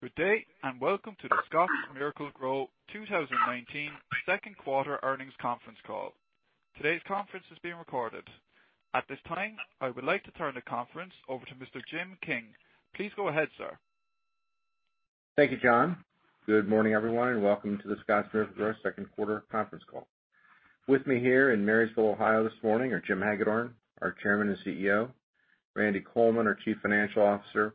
Good day, welcome to The Scotts Miracle-Gro 2019 Second Quarter Earnings Conference Call. Today's conference is being recorded. At this time, I would like to turn the conference over to Mr. Jim King. Please go ahead, sir. Thank you, John. Good morning, everyone, welcome to the Scotts Miracle-Gro Second Quarter Conference Call. With me here in Marysville, Ohio, this morning are Jim Hagedorn, our Chairman and CEO. Randy Coleman, our Chief Financial Officer,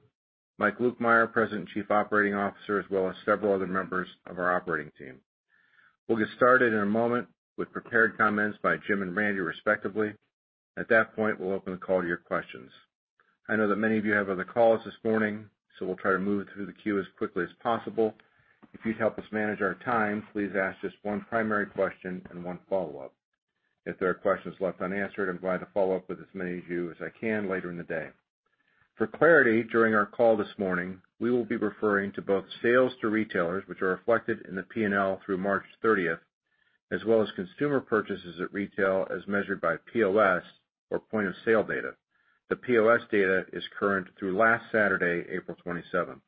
Mike Lukemire, President and Chief Operating Officer. As well as several other members of our operating team. We'll get started in a moment, with prepared comments by Jim and Randy, respectively. At that point, we'll open the call to your questions. I know that many of you have other calls this morning. We'll try to move through the queue, as quickly as possible. If you'd help us manage our time, please ask just one primary question, and one follow-up. If there are questions left unanswered. I'm going to follow up with as many of you, as I can later in the day. For clarity, during our call this morning. We will be referring to both sales to retailers, which are reflected in the P&L through March 30th. As well as consumer purchases at retail, as measured by POS or point-of-sale data. The POS data is current through last Saturday, April 27th.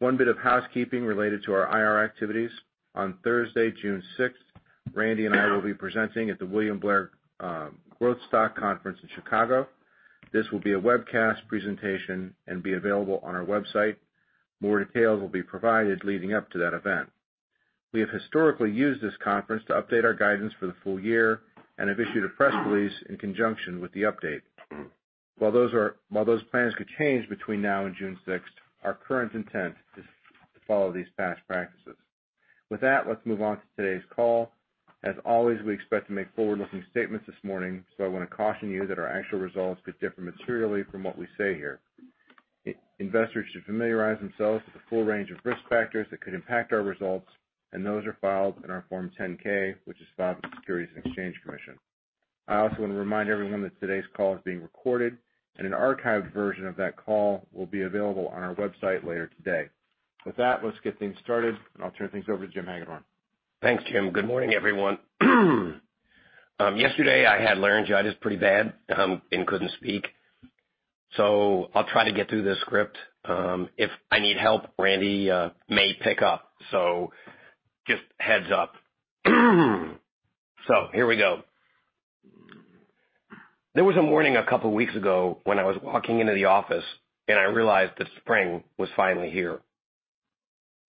One bit of housekeeping related to our IR activities. On Thursday, June 6th, Randy and I will be presenting, at the William Blair Growth Stock Conference in Chicago. This will be a webcast presentation, and be available on our website. More details will be provided leading up to that event. We have historically used this conference, to update our guidance for the full year. And have issued a press release, in conjunction with the update. While those plans could change between now, and June 6th. Our current intent is, to follow these past practices. With that, let's move on to today's call. As always, we expect to make forward-looking statements this morning. I want to caution you, that our actual results could differ materially, from what we say here. Investors should familiarize themselves, with the full range of risk factors. That could impact our results, those are filed in our Form 10-K. Which is filed, with the Securities and Exchange Commission. I also want to remind everyone, that today's call is being recorded. An archived version of that call, will be available on our website later today. With that, let's get things started. I'll turn things over to Jim Hagedorn. Thanks, Jim. Good morning, everyone. Yesterday, I had laryngitis pretty bad, and couldn't speak. I'll try to get through this script. If I need help, Randy may pick up. Just a heads up. Here we go. There was a morning a couple weeks ago, when I was walking into the office. And I realized that spring was finally here.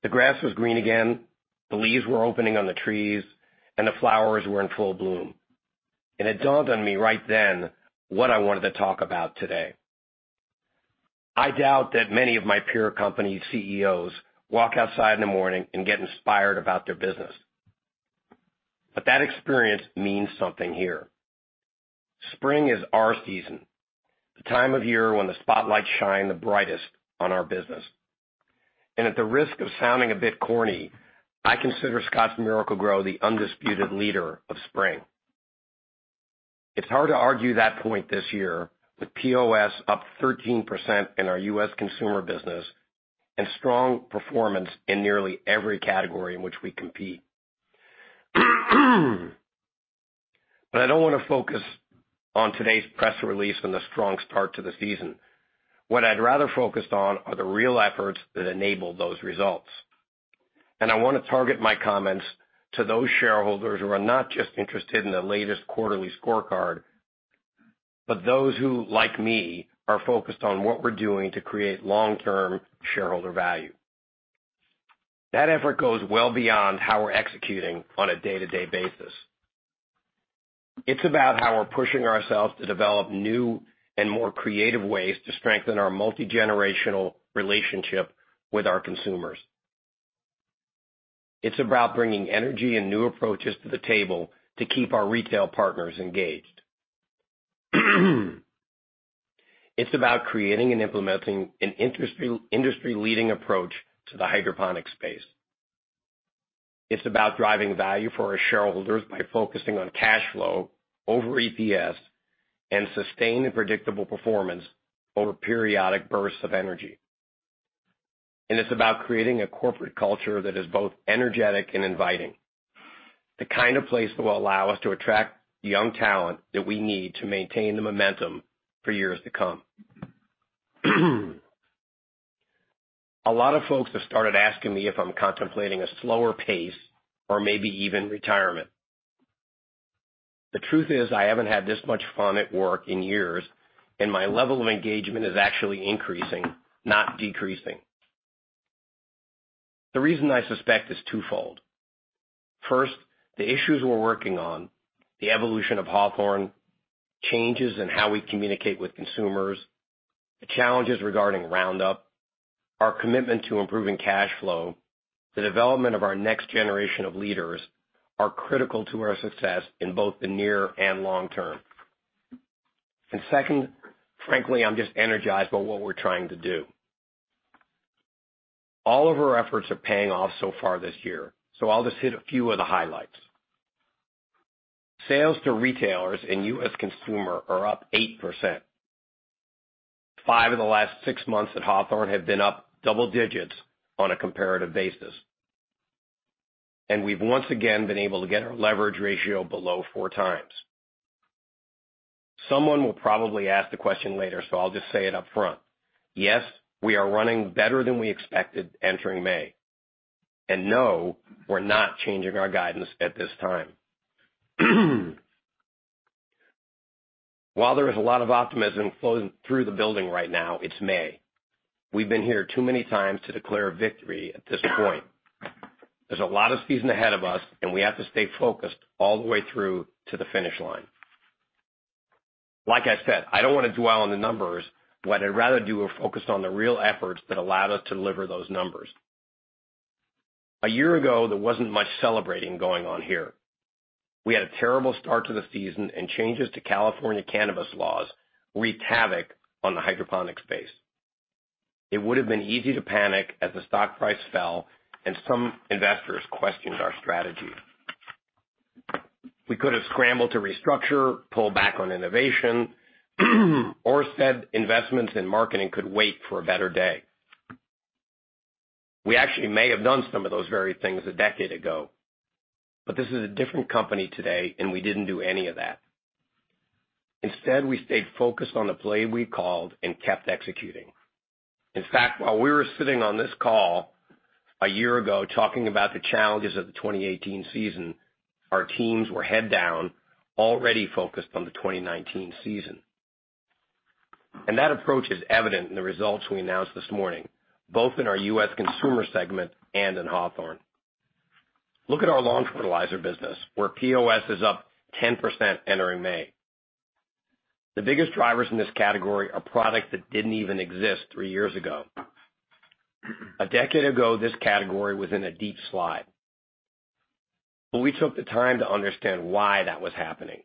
The grass was green again, the leaves were opening on the trees. And the flowers were in full bloom. It dawned on me right then, what I wanted to talk about today? I doubt that many of my peer company CEOs. Walk outside in the morning, and get inspired about their business. That experience means something here. Spring is our season, the time of year. When the spotlights shine the brightest on our business. At the risk of sounding a bit corny, I consider Scotts Miracle-Gro the undisputed leader of spring. It's hard to argue that point this year, with POS up 13% in our U.S. consumer business. And strong performance, in nearly every category in which we compete. I don't want to focus on today's press release, and the strong start to the season. What I'd rather focus on, are the real efforts that enable those results. I want to target my comments, to those shareholders. Who are not just interested in the latest quarterly scorecard. But those who, like me, are focused on what we're doing. To create long-term shareholder value. That effort goes well beyond, how we're executing on a day-to-day basis. It's about how we're pushing ourselves. To develop new, and more creative ways. To strengthen our multi-generational relationship with our consumers. It's about bringing energy, and new approaches to the table. To keep our retail partners engaged. It's about creating, and implementing an industry-leading approach, to the hydroponic space. It's about driving value for our shareholders. By focusing on cash flow over EPS, and sustained. And predictable performance, over periodic bursts of energy. It's about creating a corporate culture that is both energetic, and inviting. The kind of place, that will allow us to attract young talent. That we need to maintain the momentum, for years to come. A lot of folks have started asking me, if I'm contemplating a slower pace, or maybe even retirement. The truth is, I haven't had this much fun at work in years. And my level of engagement is actually increasing, not decreasing. The reason I suspect is twofold. First, the issues we're working on, the evolution of Hawthorne. Changes in how we communicate with consumers. The challenges regarding Roundup, our commitment to improving cash flow. The development of our next generation of leaders, are critical to our success. In both the near, and long term. Second, frankly, I'm just energized by what we're trying to do. All of our efforts, are paying off so far this year. I'll just hit a few of the highlights. Sales to retailers, and U.S. consumer are up 8%. Five of the last six months at Hawthorne, have been up double digits on a comparative basis. We've once again been able to get, our leverage ratio below four times. Someone will probably ask the question later, so I'll just say it up front. Yes, we are running better, than we expected entering May. No, we're not changing our guidance at this time. While there is a lot of optimism, flowing through the building right now, it's May. We've been here too many times, to declare victory at this point. There's a lot of season ahead of us, and we have to stay focused. All the way through, to the finish line. Like I said, I don't want to dwell on the numbers. What I'd rather do is focus on the real efforts. That allowed us, to deliver those numbers. A year ago, there wasn't much celebrating going on here. We had a terrible start to the season. And changes to California cannabis laws, wreaked havoc on the hydroponic space. It would have been easy to panic, as the stock price fell. And some investors questioned our strategy. We could have scrambled to restructure, pull back on innovation. Or said investments in marketing, could wait for a better day. We actually may have done some of those very things a decade ago. But this is a different company today. We didn't do any of that. Instead, we stayed focused on the play we called, and kept executing. In fact, while we were sitting on this call. A year ago, talking about the challenges of the 2018 season. Our teams were head down, already focused on the 2019 season. That approach is evident in the results, we announced this morning. Both in our U.S. Consumer segment, and in Hawthorne. Look at our lawn fertilizer business, where POS is up 10% entering May. The biggest drivers in this category, are products that didn't even exist three years ago. A decade ago, this category was in a deep slide. But we took the time to understand. Why that was happening?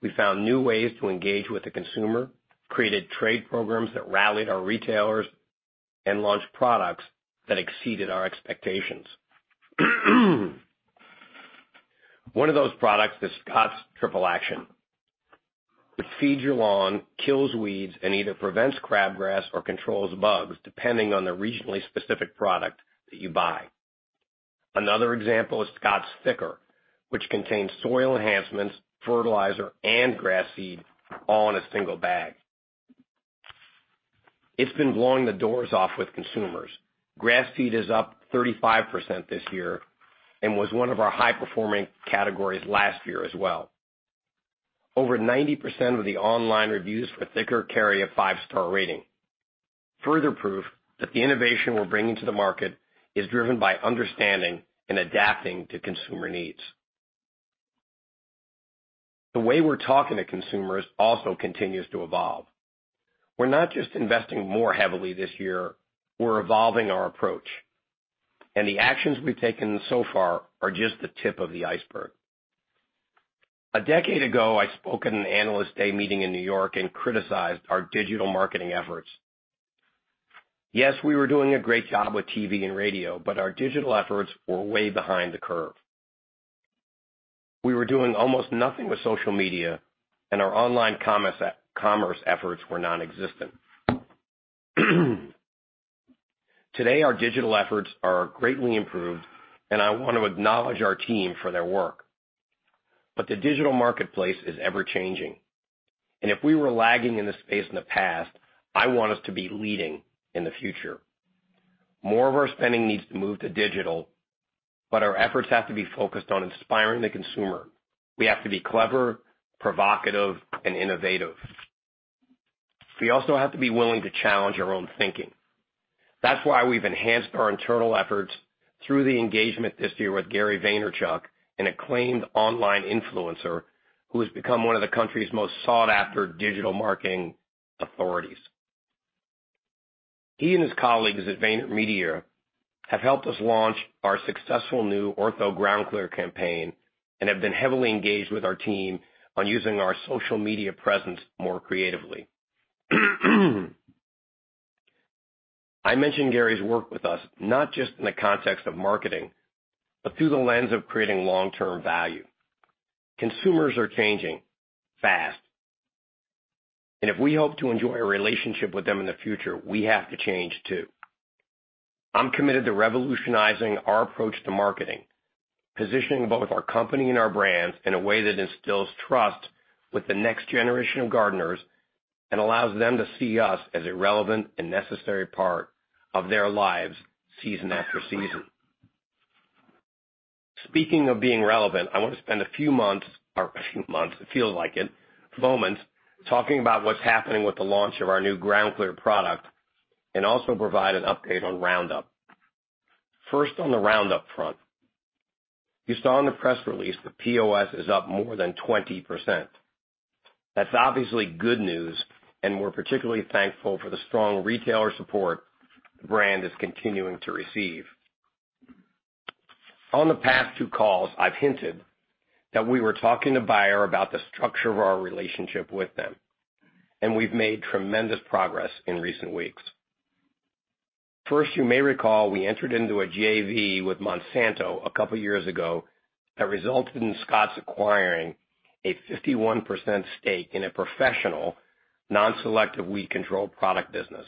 We found new ways, to engage with the consumer. Created trade programs, that rallied our retailers. And launched products, that exceeded our expectations. One of those products is Scotts Triple Action. Which feeds your lawn, kills weeds, and either prevents crabgrass or controls bugs. Depending on the regionally specific product, that you buy. Another example is Scotts Thick’R, which contains soil enhancements, fertilizer, and grass seed all in a single bag. It's been blowing the doors off with consumers. Grass seed is up 35% this year, and was one of our high performing categories last year as well. Over 90% of the online reviews, for Thick’R carry a five-star rating. Further proof that the innovation, we're bringing to the market. Is driven by understanding, and adapting to consumer needs. The way we're talking to consumers, also continues to evolve. We're not just investing more heavily this year, we're evolving our approach. The actions we've taken so far, are just the tip of the iceberg. A decade ago, I spoke at an Analyst Day meeting in New York, and criticized our digital marketing efforts. Yes, we were doing a great job with TV, and radio. But our digital efforts, were way behind the curve. We were doing almost nothing with social media. Our online commerce efforts were nonexistent. Today, our digital efforts are greatly improved. I want to acknowledge our team for their work. The digital marketplace is ever-changing. If we were lagging in this space in the past, I want us to be leading in the future. More of our spending needs, to move to digital. But our efforts have to be focused, on inspiring the consumer. We have to be clever, provocative, and innovative. We also have to be willing, to challenge our own thinking. That's why we've enhanced our internal efforts. Through the engagement this year, with Gary Vaynerchuk. An acclaimed online influencer, who has become one of the country's most sought-after digital marketing authorities. He, and his colleagues at VaynerMedia, have helped us. Launch our successful new Ortho GroundClear campaign, and have been heavily engaged with our team. On using our social media presence more creatively. I mention Gary's work with us, not just in the context of marketing. But through the lens of creating long-term value. Consumers are changing fast, and if we hope to enjoy a relationship with them in the future, we have to change too. I'm committed to revolutionizing, our approach to marketing. Positioning both our company, and our brands in a way that instills trust. With the next generation of gardeners, and allows them to see us. As a relevant, and necessary part of their lives season after season. Speaking of being relevant, I want to spend a few moments. Talking about what's happening, with the launch of our new GroundClear product. And also provide an update on Roundup. First on the Roundup front. You saw in the press release, that POS is up more than 20%. That's obviously good news, and we're particularly thankful. For the strong retailer support, the brand is continuing to receive. On the past two calls, I've hinted. That we were talking to Bayer, about the structure of our relationship with them. And we've made tremendous progress in recent weeks. First, you may recall we entered into a JV, with Monsanto a couple of years ago. That resulted in Scotts acquiring, a 51% stake in a professional. Non-selective weed control product business.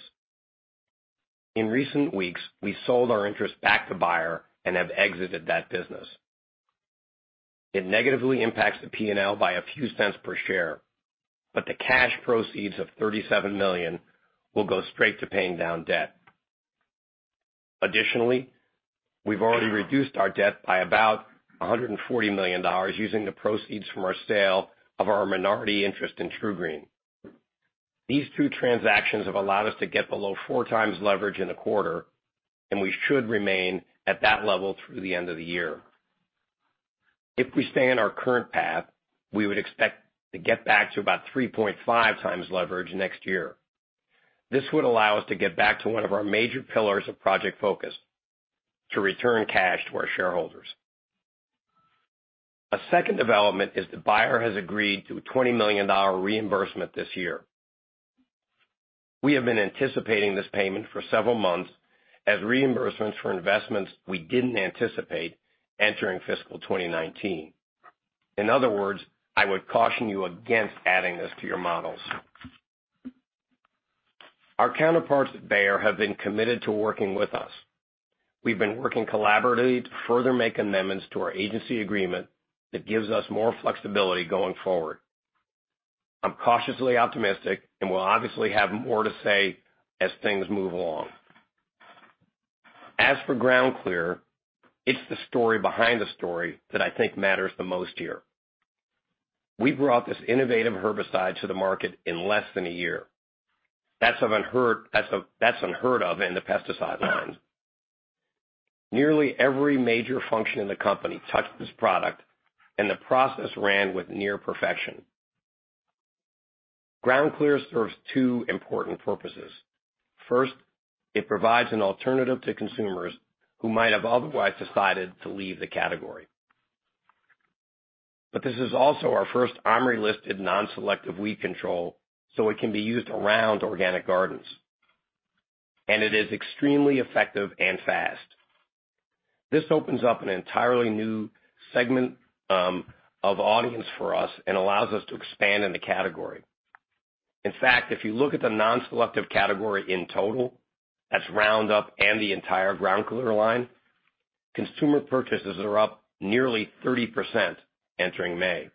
In recent weeks, we sold our interest back to Bayer, and have exited that business. It negatively impacts the P&L by a few cents per share, but the cash proceeds of $37 million. Will go straight, to paying down debt. Additionally, we've already reduced our debt by about $140 million. Using the proceeds from our sale, of our minority interest in TruGreen. These two transactions have allowed us, to get below four times leverage in a quarter. And we should remain, at that level through the end of the year. If we stay on our current path, we would expect. To get back to about 3.5x leverage next year. This would allow us, to get back to one of our major pillars of Project Focus. To return cash, to our shareholders. A second development is that Bayer has agreed, to a $20 million reimbursement this year. We have been anticipating this payment for several months. As reimbursements for investments, we didn't anticipate entering fiscal 2019. In other words, I would caution you against adding this to your models. Our counterparts at Bayer, have been committed to working with us. We've been working collaboratively, to further make amendments. To our agency agreement, that gives us more flexibility going forward. I'm cautiously optimistic, and will obviously have more to say, as things move along. As for GroundClear, it's the story behind the story. That I think matters, the most here. We brought this innovative herbicide, to the market in less than a year. That's unheard of in the pesticide line. Nearly every major function in the company touched this product. The process ran, with near perfection. GroundClear serves two important purposes. First, it provides an alternative to consumers. Who might have otherwise decided, to leave the category. This is also our first OMRI-listed non-selective weed control, so it can be used around organic gardens. It is extremely effective, and fast. This opens up an entirely new segment of audience for us. And allows us, to expand in the category. If you look at the non-selective category in total, that's Roundup, and the entire GroundClear line. Consumer purchases are up, nearly 30% entering May.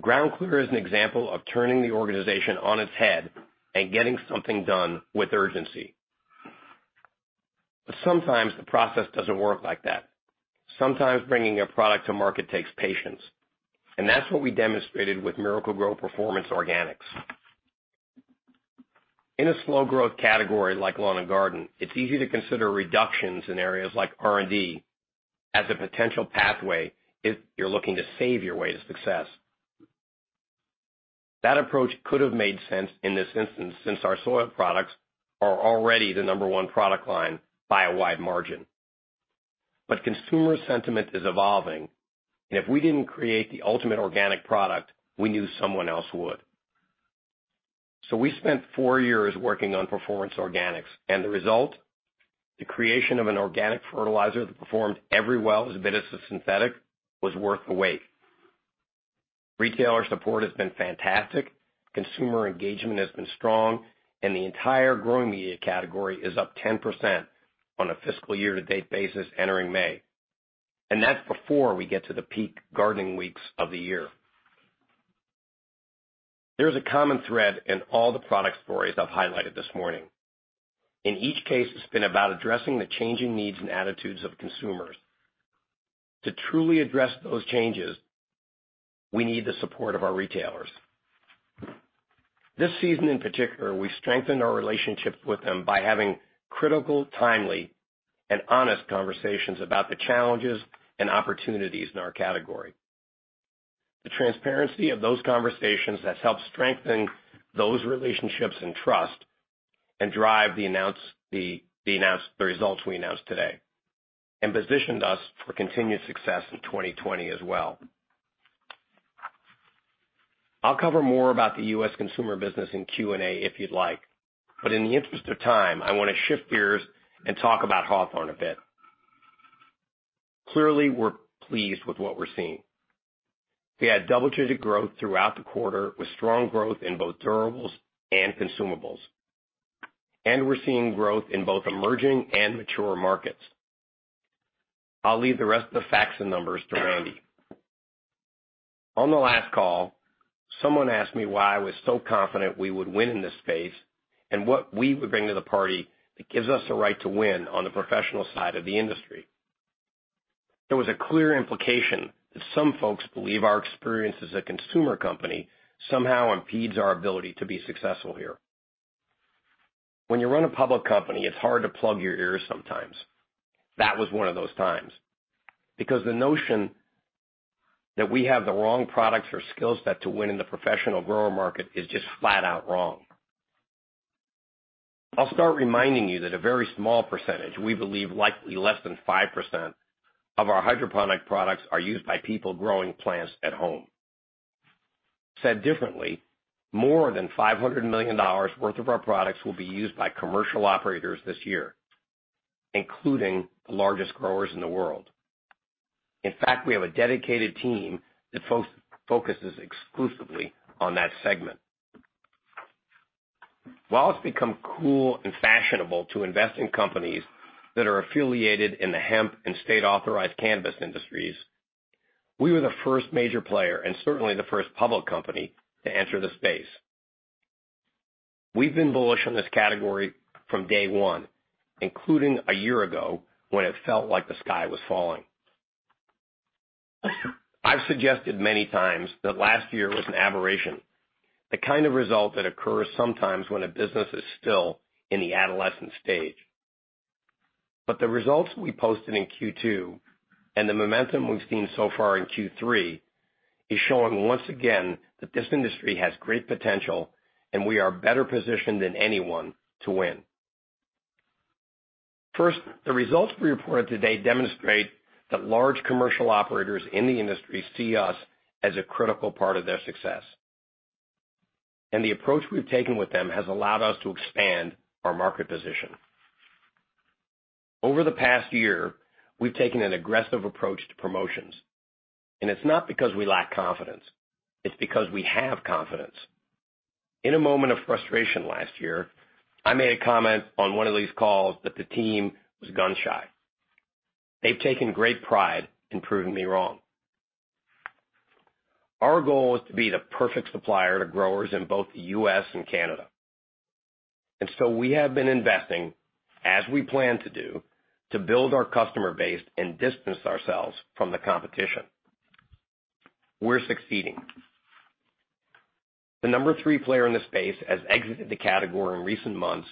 GroundClear is an example of turning the organization on its head, and getting something done with urgency. Sometimes the process doesn't work like that. Sometimes bringing a product to market takes patience. That's what we demonstrated, with Miracle-Gro Performance Organics. In a slow-growth category like lawn, and garden. It's easy to consider reductions in areas like R&D. As a potential pathway, if you're looking to save your way to success. That approach could have made sense in this instance. Since our soil products, are already the number one product line, by a wide margin. Consumer sentiment is evolving, If we didn't create the ultimate organic product, we knew someone else would. We spent four years, working on Performance Organics. The result, the creation of an organic fertilizer, that performed every well. As good as a synthetic, was worth the wait. Retailer support has been fantastic, consumer engagement has been strong. The entire growing media category is up 10%. On a fiscal year, to date basis entering May. That's before we get to the peak gardening weeks of the year. There's a common thread in all the product stories, I've highlighted this morning. In each case, it's been about addressing the changing needs, and attitudes of consumers. To truly address those changes, we need the support of our retailers. This season in particular, we strengthened our relationship with them. By having critical, timely, and honest conversations. About the challenges, and opportunities in our category. The transparency of those conversations, has helped strengthen. Those relationships, and trust. And drive the results, we announced today. And positioned us, for continued success in 2020 as well. I'll cover more about, the U.S. consumer business in Q&A if you'd like. In the interest of time, I want to shift gears, and talk about Hawthorne a bit. Clearly, we're pleased with what we're seeing. We had double-digit growth, throughout the quarter. With strong growth in both durables, and consumables. We're seeing growth in both emerging, and mature markets. I'll leave the rest of the facts, and numbers to Randy. On the last call, someone asked me. Why I was so confident, we would win in this space? And what we would bring to the party? That gives us the right to win, on the professional side of the industry. There was a clear implication, that some folks believe our experience as a consumer company. Somehow impedes our ability, to be successful here. When you run a public company, it's hard to plug your ears sometimes. That was one of those times. The notion, that we have the wrong products or skill set. To win in the professional grower market, is just flat out wrong. I'll start reminding you, that a very small percentage. We believe likely, less than 5%. Of our hydroponic products, are used by people growing plants at home. Said differently, more than $500 million worth of our products. Will be used, by commercial operators this year. Including the largest growers in the world. We have a dedicated team, that focuses exclusively on that segment. While it's become cool, and fashionable to invest in companies. That are affiliated in the hemp, and state-authorized cannabis industries. We were the first major player, and certainly the first public company, to enter the space. We've been bullish on this category from day one. Including a year ago, when it felt like the sky was falling. I've suggested many times, that last year was an aberration. The kind of result, that occurs sometimes. When a business is still, in the adolescent stage. The results we posted in Q2, and the momentum we've seen so far in Q3. Is showing once again, that this industry has great potential. And we are better positioned, than anyone to win. First, the results we reported today, demonstrate that large commercial operators in the industry. See us, as a critical part of their success. And the approach we've taken with them, has allowed us to expand our market position. Over the past year, we've taken an aggressive approach to promotions. And it's not, because we lack confidence. It's because we have confidence. In a moment of frustration last year, I made a comment. On one of these calls, that the team was gun-shy. They've taken great pride in proving me wrong. Our goal is to be the perfect supplier. To growers in both the U.S., and Canada. We have been investing, as we plan to do. To build our customer base, and distance ourselves from the competition. We're succeeding. The number three player in the space, has exited the category in recent months.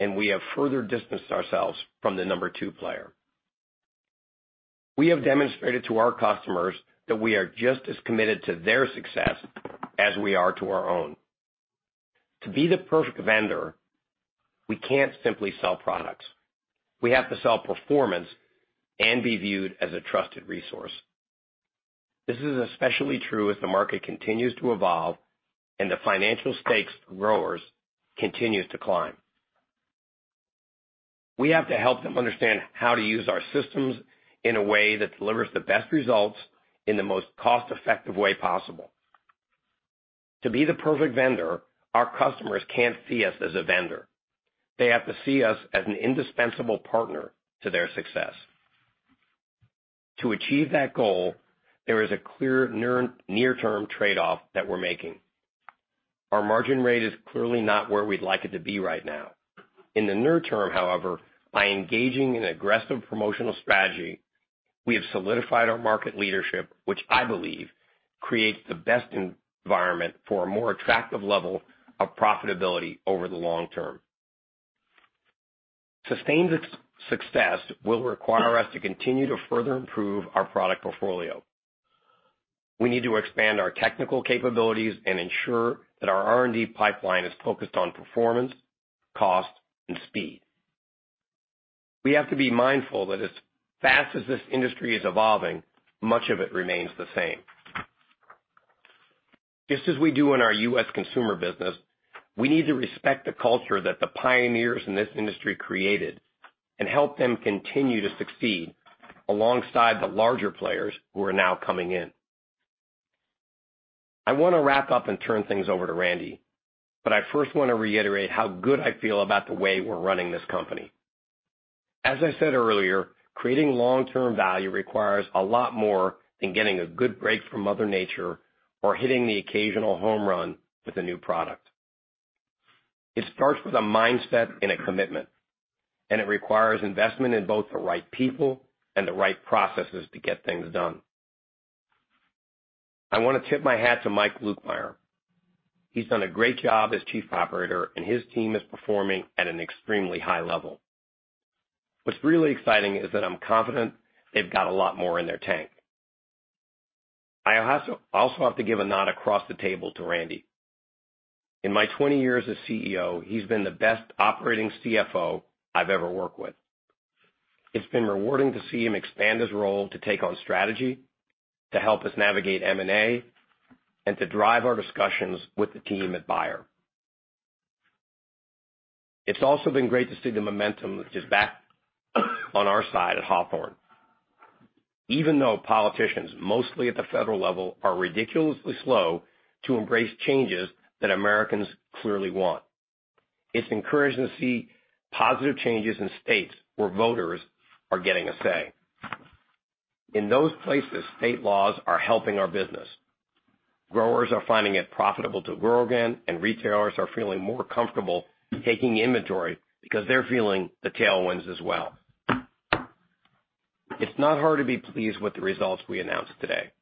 And we have further distanced ourselves, from the number two player. We have demonstrated to our customers. That we are just as committed to their success, as we are to our own. To be the perfect vendor, we can't simply sell products. We have to sell performance, and be viewed as a trusted resource. This is especially true, as the market continues to evolve. And the financial stakes for growers continues to climb. We have to help them understand, how to use our systems? In a way that delivers the best results, in the most cost-effective way possible. To be the perfect vendor, our customers can't see us as a vendor. They have to see us, as an indispensable partner to their success. To achieve that goal, there is a clear near-term trade-off that we're making. Our margin rate is clearly not, where we'd like it to be right now. In the near term, however, by engaging in aggressive promotional strategy. We have solidified our market leadership. Which I believe, creates the best environment for a more attractive level, of profitability over the long term. Sustained success will require us, to continue to further improve our product portfolio. We need to expand our technical capabilities, and ensure that our R&D pipeline, is focused on performance, cost, and speed. We have to be mindful, that as fast as this industry is evolving. Much of it remains the same. Just as we do, in our U.S. consumer business. We need to respect the culture, that the pioneers in this industry created. And help them continue to succeed. Alongside the larger players, who are now coming in. I want to wrap up, and turn things over to Randy. I first want to reiterate, how good I feel. About the way, we're running this company. As I said earlier, creating long-term value. Requires a lot more, than getting a good break from mother nature. Or hitting the occasional home run, with a new product. It starts with a mindset, and a commitment. And it requires investment in both the right people, and the right processes to get things done. I want to tip my hat, to Mike Lukemire. He's done a great job as Chief Operator. And his team is performing, at an extremely high level. What's really exciting is that I'm confident, they've got a lot more in their tank. I also have to give, a nod across the table to Randy. In my 20 years as CEO, he's been the best operating CFO, I've ever worked with. It's been rewarding to see him, expand his role to take on strategy. To help us navigate M&A, and to drive our discussions, with the team at Bayer. It's also been great to see the momentum, that is back on our side at Hawthorne. Even though politicians, mostly at the federal level. Are ridiculously slow, to embrace changes that Americans clearly want. It's encouraging to see positive changes in states. Where voters are getting a say. In those places, state laws are helping our business. Growers are finding it profitable, to grow again. And retailers are feeling more comfortable taking inventory. Because they're feeling the tailwinds as well. It's not hard to be pleased, with the results we announced today.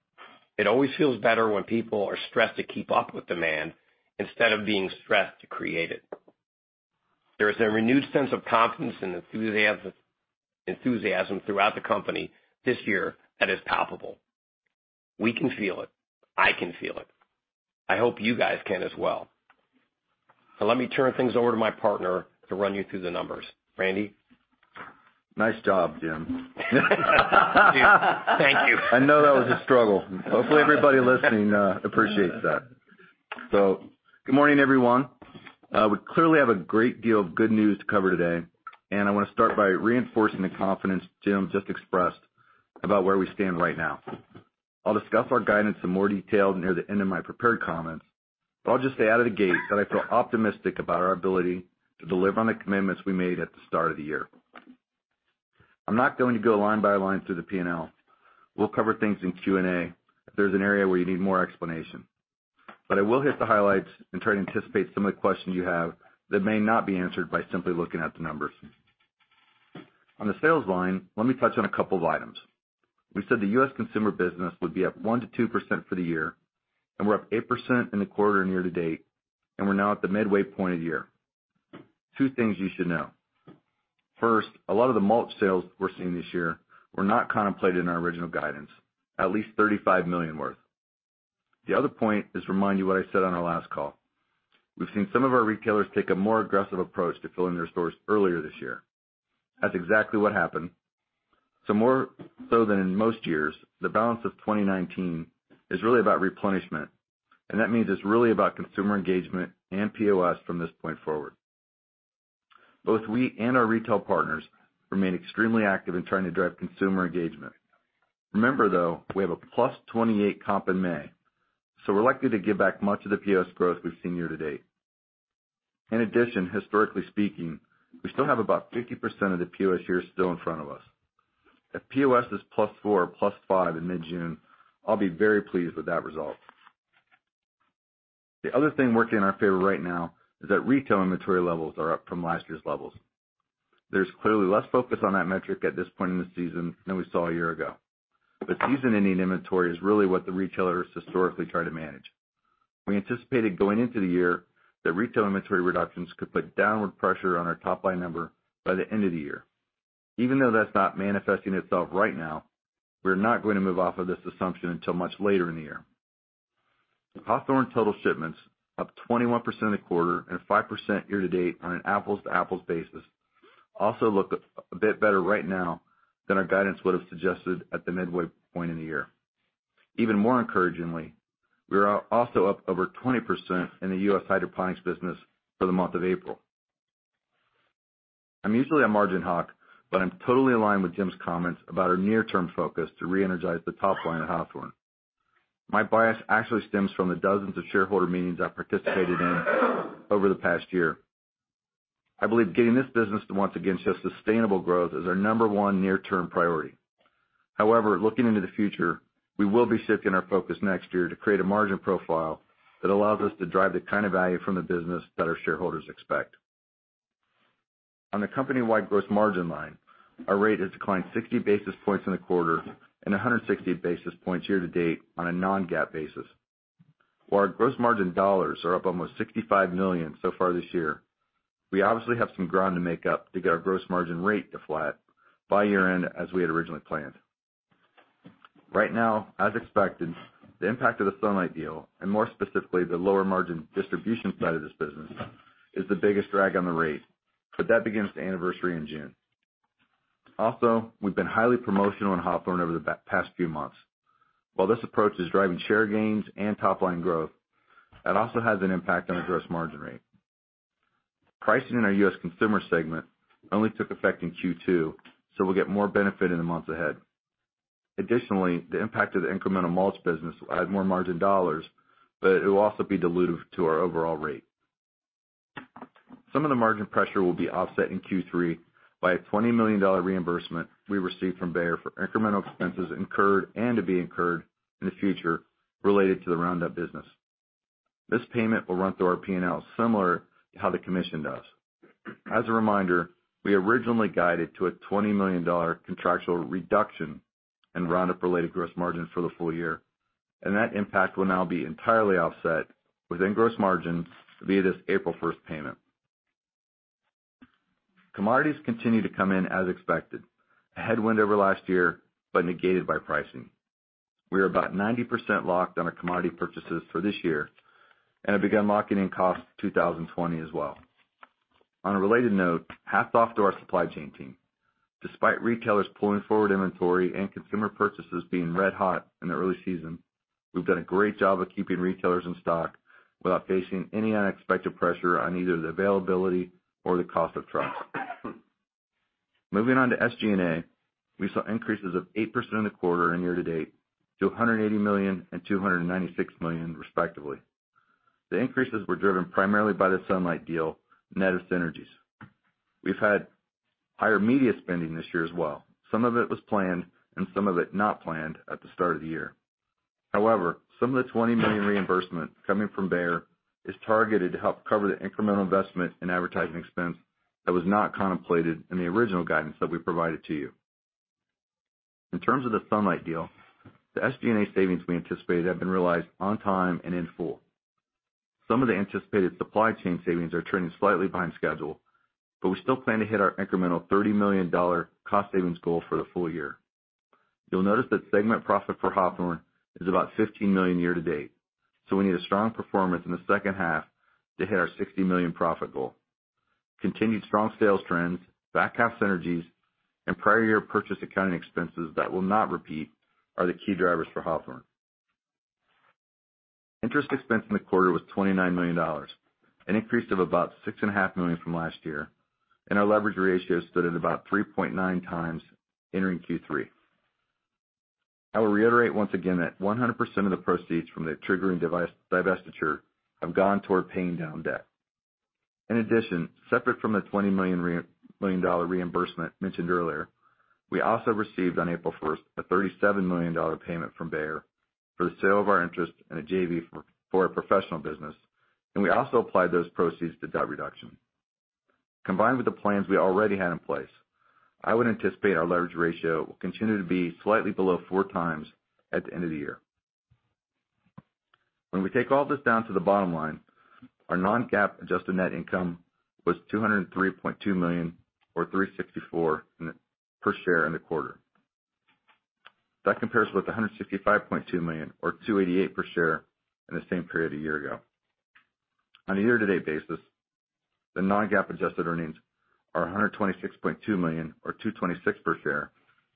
It always feels better, when people are stressed to keep up with demand. Instead of being stressed to create it. There is a renewed sense of confidence, and enthusiasm throughout the company this year that is palpable. We can feel it. I can feel it. I hope you guys can as well. Let me turn things over to my partner, to run you through the numbers. Randy? Nice job, Jim. Thank you. I know, that was a struggle. Hopefully, everybody listening appreciates that. Good morning, everyone. We clearly, have a great deal of good news to cover today. And I want to start, by reinforcing the confidence Jim just expressed. About where we stand right now. I'll discuss our guidance in more detail, near the end of my prepared comments. But I'll just say out of the gate, that I feel optimistic about our ability. To deliver on the commitments, we made at the start of the year. I'm not going to go line by line through the P&L. We'll cover things in Q&A, if there's an area where you need more explanation. I will hit the highlights, and try to anticipate some of the questions you have. That may not be answered, by simply looking at the numbers. On the sales line, let me touch on a couple of items. We said the U.S. consumer business, would be up 1%-2% for the year. And we're up 8% in the quarter, and year-to-date. And we're now at the midway point of the year. Two things you should know. First, a lot of the mulch sales we're seeing this year. Were not contemplated in our original guidance, at least $35 million worth. The other point is to remind you, what I said on our last call. We've seen some of our retailers, take a more aggressive approach. To filling their stores earlier this year. That's exactly what happened. More so than in most years, the balance of 2019 is really about replenishment. And that means it's really about consumer engagement, and POS from this point forward. Both we, and our retail partners. Remain extremely active in trying, to drive consumer engagement. Remember though, we have a +28 comp in May. We're likely, to give back much of the POS growth, we've seen year-to-date. In addition, historically speaking, we still have about 50% of the POS year, still in front of us. If POS is +4 or +5 in mid-June, I'll be very pleased with that result. The other thing working in our favor right now, is that retail inventory levels are up from last year's levels. There's clearly, less focus on that metric at this point, in the season than we saw a year ago. Season-ending inventory is really, what the retailers historically try to manage. We anticipated going into the year, that retail inventory reductions. Could put downward pressure on our top-line number, by the end of the year. Even though that's not manifesting itself right now. We're not going to move off of this assumption, until much later in the year. The Hawthorne total shipments, up 21% in the quarter. And 5% year-to-date on an apples-to-apples basis, also look a bit better right now. Than our guidance would have suggested, at the midway point in the year. Even more encouragingly, we are also up over 20% in the U.S. hydroponics business, for the month of April. I'm usually a margin hawk, but I'm totally aligned with Jim's comments. About our near-term focus, to reenergize the top line at Hawthorne. My bias actually stems, from the dozens of shareholder meetings. I participated in over the past year. I believe getting this business, to once again see sustainable growth, is our number one near-term priority. However, looking into the future, we will be shifting our focus next year. To create a margin profile, that allows us. To drive the kind of value from the business, that our shareholders expect. On the company-wide gross margin line, our rate has declined 60 basis points in the quarter. And 160 basis points year-to-date, on a non-GAAP basis. While our gross margin dollars, are up almost $65 million so far this year. We obviously, have some ground to make up. To get our gross margin rate to flat, by year end as we had originally planned. Right now, as expected, the impact of the Sunlight deal. And more specifically, the lower margin distribution side of this business. Is the biggest drag on the rate, but that begins to anniversary in June. We've been highly promotional in Hawthorne, over the past few months. This approach is driving share gains, and top-line growth. That also has an impact on the gross margin rate. Pricing in our U.S. Consumer segment, only took effect in Q2. So, we'll get more benefit in the months ahead. Additionally, the impact of the incremental mulch business, will add more margin dollars. But it will also be dilutive, to our overall rate. Some of the margin pressure, will be offset in Q3. By a $20 million reimbursement, we received from Bayer for incremental expenses incurred. And to be incurred in the future, related to the Roundup business. This payment will run through our P&L similar, to how the commission does? As a reminder, we originally guided to a $20 million contractual reduction. In Roundup-related gross margin for the full year, and that impact will now be entirely offset. Within gross margin, via this April first payment. Commodities continue to come in as expected. A headwind over last year, but negated by pricing. We are about 90% locked, on our commodity purchases for this year. And have begun locking in costs for 2020 as well. On a related note, hats off to our supply chain team. Despite retailers pulling forward inventory, and consumer purchases, being red hot in the early season. We've done a great job, of keeping retailers in stock. Without facing any unexpected pressure on either, the availability or the cost of trucks. Moving on to SG&A, we saw increases of 8% in the quarter, and year-to-date. To $180 million, and $296 million respectively. The increases were driven primarily, by the Sunlight deal, net of synergies. We've had higher media spending this year as well. Some of it was planned, and some of it not planned, at the start of the year. However, some of the $20 million reimbursement, coming from Bayer is targeted. To help cover the incremental investment, in advertising expense. That was not contemplated in the original guidance, that we provided to you. In terms of the Sunlight deal, the SG&A savings we anticipated have been realized on time, and in full. Some of the anticipated supply chain savings, are trending slightly behind schedule. But we still plan to hit our incremental $30 million, cost savings goal for the full year. You'll notice that segment profit for Hawthorne, is about $15 million year-to-date. So, we need a strong performance in the second half, to hit our $60 million profit goal. Continued strong sales trends, back-half synergies. And prior year purchase accounting expenses, that will not repeat, are the key drivers for Hawthorne. Interest expense in the quarter, was $29 million. An increase of about $6.5 million from last year. And our leverage ratio stood, at about 3.9x entering Q3. I will reiterate once again, that 100% of the proceeds. From the triggering divestiture, have gone toward paying down debt. In addition, separate from the $20 million reimbursement mentioned earlier. We also received on April 1st, a $37 million payment from Bayer. For the sale of our interest in a JV, for our professional business. And we also applied those proceeds to debt reduction. Combined with the plans, we already had in place. I would anticipate our leverage ratio, will continue to be slightly below 4x at the end of the year. When we take all this down to the bottom line. Our non-GAAP adjusted net income, was $203.2 million or $3.64 per share in the quarter. That compares with $165.2 million or $2.88 per share in the same period a year ago. On a year-to-date basis, the non-GAAP adjusted earnings, are $126.2 million or $2.26 per share.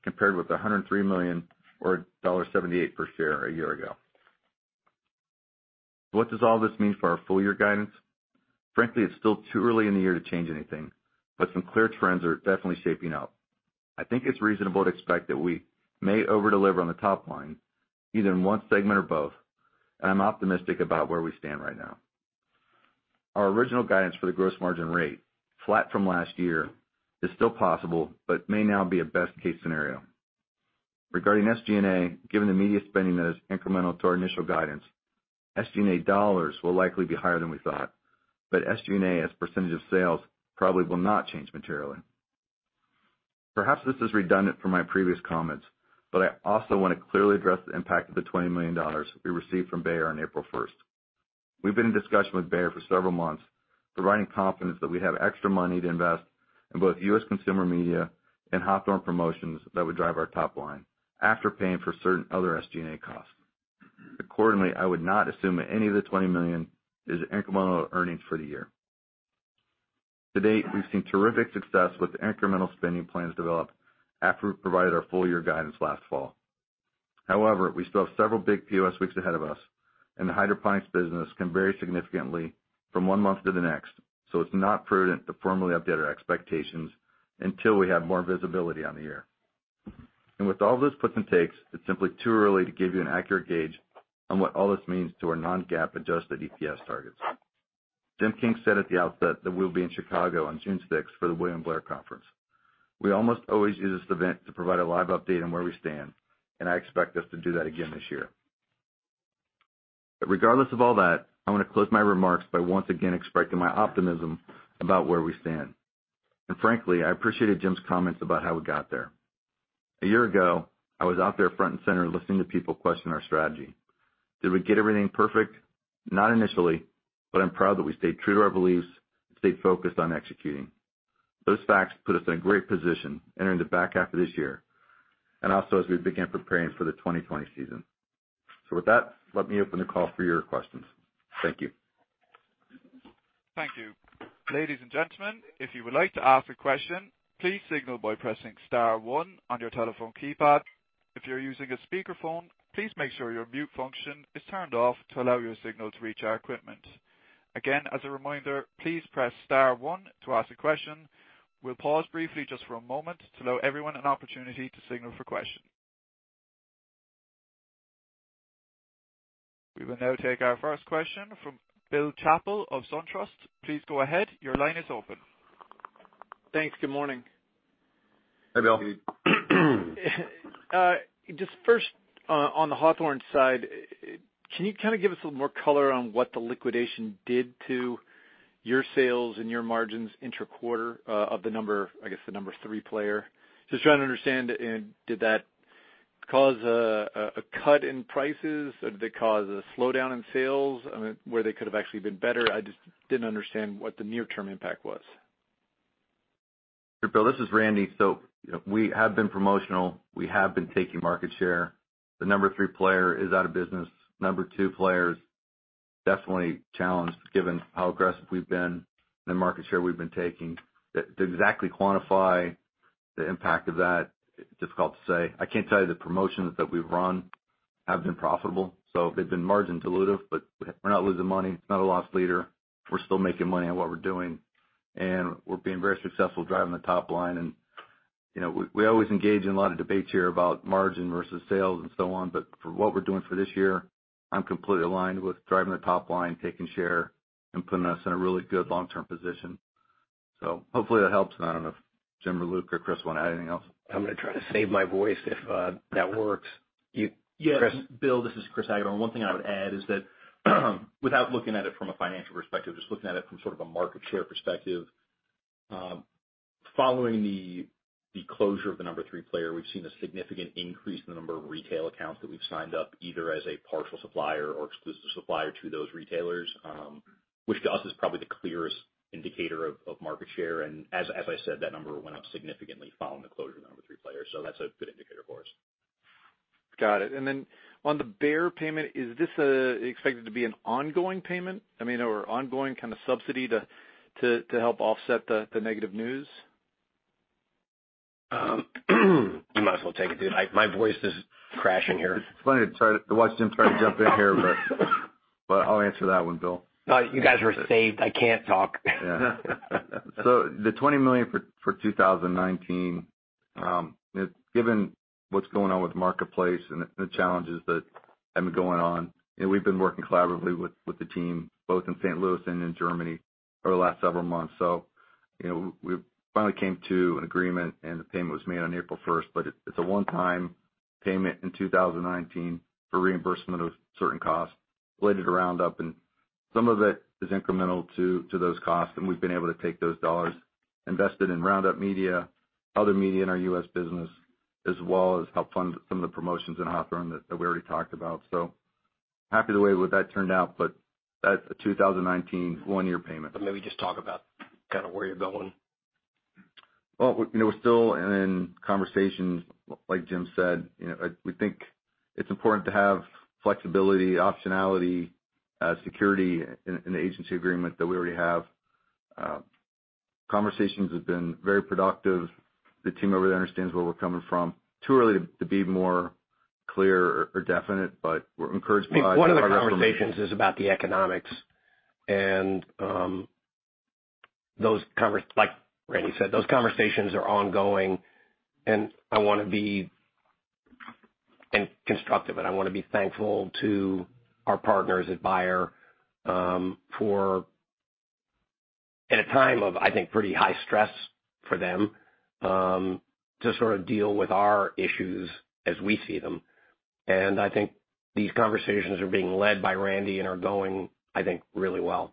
Compared with $103 million, or $1.78 per share a year ago. What does all this mean, for our full year guidance? Frankly, it's still too early in the year, to change anything. But some clear trends are definitely shaping up. I think it's reasonable to expect, that we may over-deliver on the top line. Either in one segment or both, and I'm optimistic about. Where we stand right now. Our original guidance for the gross margin rate, flat from last year, is still possible. But may now be a best-case scenario. Regarding SG&A, given the media spending. That is incremental to our initial guidance. SG&A dollars will likely be higher, than we thought. But SG&A as a percentage of sales probably, will not change materially. Perhaps this is redundant, from my previous comments. But I also want to clearly address, the impact of the $20 million. We received from Bayer on April 1st. We've been in discussion, with Bayer for several months. Providing confidence, that we have extra money to invest. In both U.S. consumer media, and Hawthorne promotions. That would drive our top line, after paying for certain other SG&A costs. Accordingly, I would not assume that any of the $20 million, is incremental earnings for the year. To date, we've seen terrific success, with the incremental spending plans developed. After we provided our full year guidance last fall. However, we still have several big POS weeks ahead of us. And the hydroponics business can vary significantly, from one month to the next. So it's not prudent, to formally update our expectations. Until we have more visibility on the year. With all those puts, and takes. It's simply too early, to give you an accurate gauge. On what all this means, to our non-GAAP adjusted EPS targets. Jim King said at the outset, that we'll be in Chicago on June 6th, for the William Blair Conference. We almost always use this event, to provide a live update on where we stand. And I expect us, to do that again this year. Regardless of all that, I want to close my remarks. By once again expressing my optimism, about where we stand. Frankly, I appreciated Jim's comments, about how we got there. A year ago, I was out there front, and center listening to people question our strategy. Did we get everything perfect? Not initially, but I'm proud that we stayed true to our beliefs, and stayed focused on executing. Those facts put us in a great position, entering the back half of this year. And also as we begin preparing for the 2020 season. With that, let me open the call for your questions. Thank you. Thank you. Ladies and gentlemen, if you would like to ask a question. Please signal, by pressing star one on your telephone keypad. If you're using a speakerphone, please make sure your mute function is turned off. To allow your signal, to reach our equipment. Again, as a reminder, please press star one to ask a question. We'll pause briefly just for a moment, to allow everyone an opportunity to signal for question. We will now take our first question from, Bill Chappell of SunTrust. Please go ahead. Your line is open. Thanks, good morning. Hi, Bill. Just first on the Hawthorne side, can you kind of give us a little more color. On what the liquidation did to your sales, and your margins inter-quarter of the number? I guess, the number three player. Just trying to understand, did that cause a cut in prices? Or did it cause a slowdown in sales? Where they could have actually been better? I just didn't understand, what the near-term impact was? Sure, Bill, this is Randy. We have been promotional. We have been taking market share. The number three player is out of business. Number two player is definitely, challenged given how aggressive we've been? And the market share we've been taking. To exactly quantify the impact of that, difficult to say. I can tell you the promotions, that we've run have been profitable. So, they've been margin dilutive, but we're not losing money, not a loss leader. We're still making money, on what we're doing. And we're being very successful driving the top line. We always engage in a lot of debates here, about margin versus sales, and so on. For what we're doing for this year, I'm completely aligned with driving the top line. Taking share, and putting us in a really good long-term position. Hopefully that helps, and I don't know. If Jim, or Luke, or Chris want to add anything else. I'm going to try to save my voice if that works. Chris? Yes. Bill, this is Chris Hagedorn. One thing I would add is that, without looking at it from a financial perspective. Just looking at it, from sort of a market share perspective. Following the closure of the number three player. We've seen a significant increase, in the number of retail accounts that we've signed up. Either as a partial supplier, or exclusive supplier to those retailers. Which to us is probably, the clearest indicator of market share. As I said, that number went up significantly, following the closure of the number three player. That's a good indicator for us. Got it. Then on the Bayer payment, is this expected to be an ongoing payment? I mean, or ongoing kind of subsidy, to help offset the negative news? You might as well take it, dude. My voice is crashing here. It's funny, to watch Jim try to jump in here. I'll answer that one, Bill. You guys are saved. I can't talk. The $20 million for 2019, given what's going on with the marketplace, and the challenges that have been going on. And we've been working collaboratively, with the team. Both in St. Louis, and in Germany, for the last several months. We finally came to an agreement, and the payment was made on April 1st. It's a one-time payment in 2019, for reimbursement of certain costs, related to Roundup. Some of it is incremental to those costs, and we've been able to take those dollars. Invested in Roundup Media, other media in our U.S. business. As well as help fund some of the promotions in Hawthorne, that we already talked about. Happy with the way that turned out, but that's a 2019 one-year payment. Maybe just talk about kind of, where you're going? We're still in conversations. Like Jim said, we think it's important to have flexibility, optionality, security. In the agency agreement, that we already have. Conversations have been very productive. The team over there understands, where we're coming from. Too early to be more clear or definite, but we're encouraged by. One of the conversations is about the economics. Like Randy said, those conversations are ongoing, and I want to be constructive. And I want to be thankful to, our partners at Bayer for. At a time of, I think, pretty high stress for them. To sort of deal with our issues, as we see them. I think these conversations are being led by Randy, and are going. I think, really well.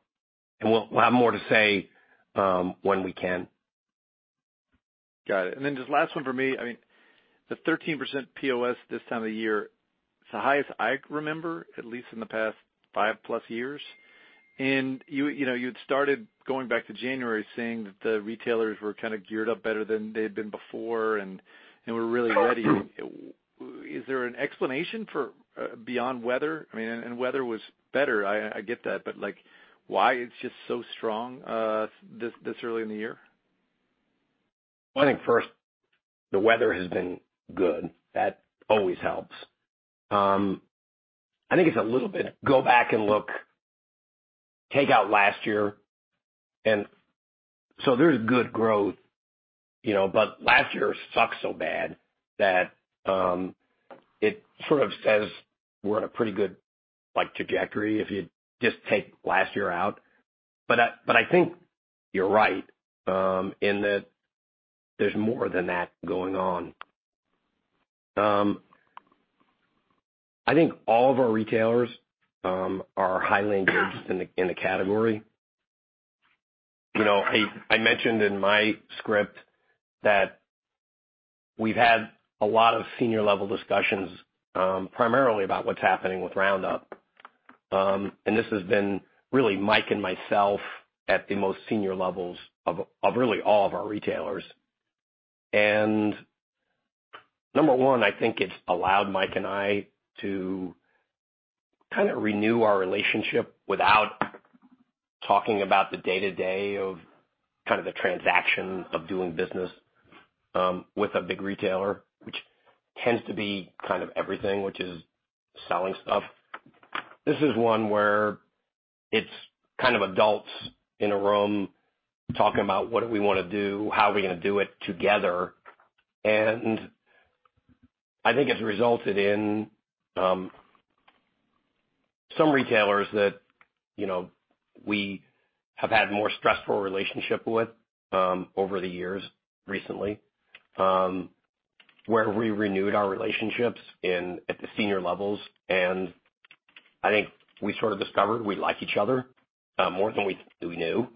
We'll have more to say, when we can. Got it. Then just last one for me. I mean, the 13% POS this time of the year. Is the highest I remember, at least in the past five+ years? You had started going back to January, saying that the retailers were kind of geared up better. Than they had been before, and were really ready. Is there an explanation for beyond weather? I mean, and weather was better, I get that. But why it's just so strong, this early in the year? I think first, the weather has been good. That always helps. I think it's a little bit go back, and look, take out last year. There's good growth, but last year sucked so bad. That it sort of says, we're in a pretty good trajectory. If you just take last year out. I think, you're right in that there's more than that going on. I think, all of our retailers are highly engaged in the category. I mentioned in my script, that we've had a lot of senior-level discussions. Primarily, about what's happening with Roundup. This has been really Mike, and myself at the most senior levels of really all of our retailers. Number one, I think it's allowed Mike, and I. To kind of renew our relationship, without talking about the day-to-day, of kind of the transaction of doing business. With a big retailer, which tends to be kind of everything. Which is selling stuff? This is one, where it's kind of adults in a room. Talking about, what do we want to do? How are we going to do it together? I think it's resulted in some retailers, that we have had a more stressful relationship. With over the years recently, where we renewed our relationships, at the senior levels. And I think we sort of discovered, we like each other, more than we knew.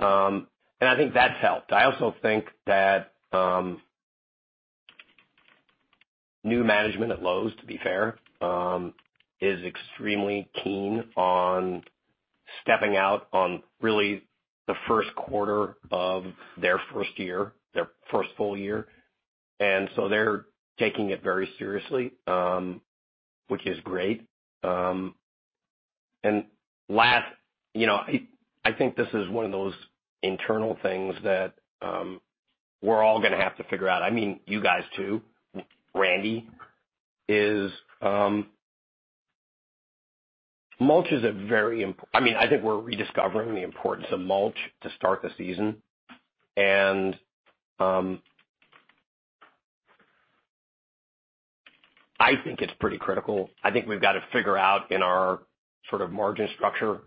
I think that's helped. I also think, that new management at Lowe's, to be fair. Is extremely keen on stepping out on really, the first quarter of their first year, their first full year. They're taking it very seriously, which is great. Last, I think this is one of those internal things. That we're all gonna have to figure out. I mean, you guys too, Randy, is mulch is a very, I think. We're rediscovering the importance of mulch, to start the season. I think, it's pretty critical. I think, we've got to figure out in our sort of margin structure.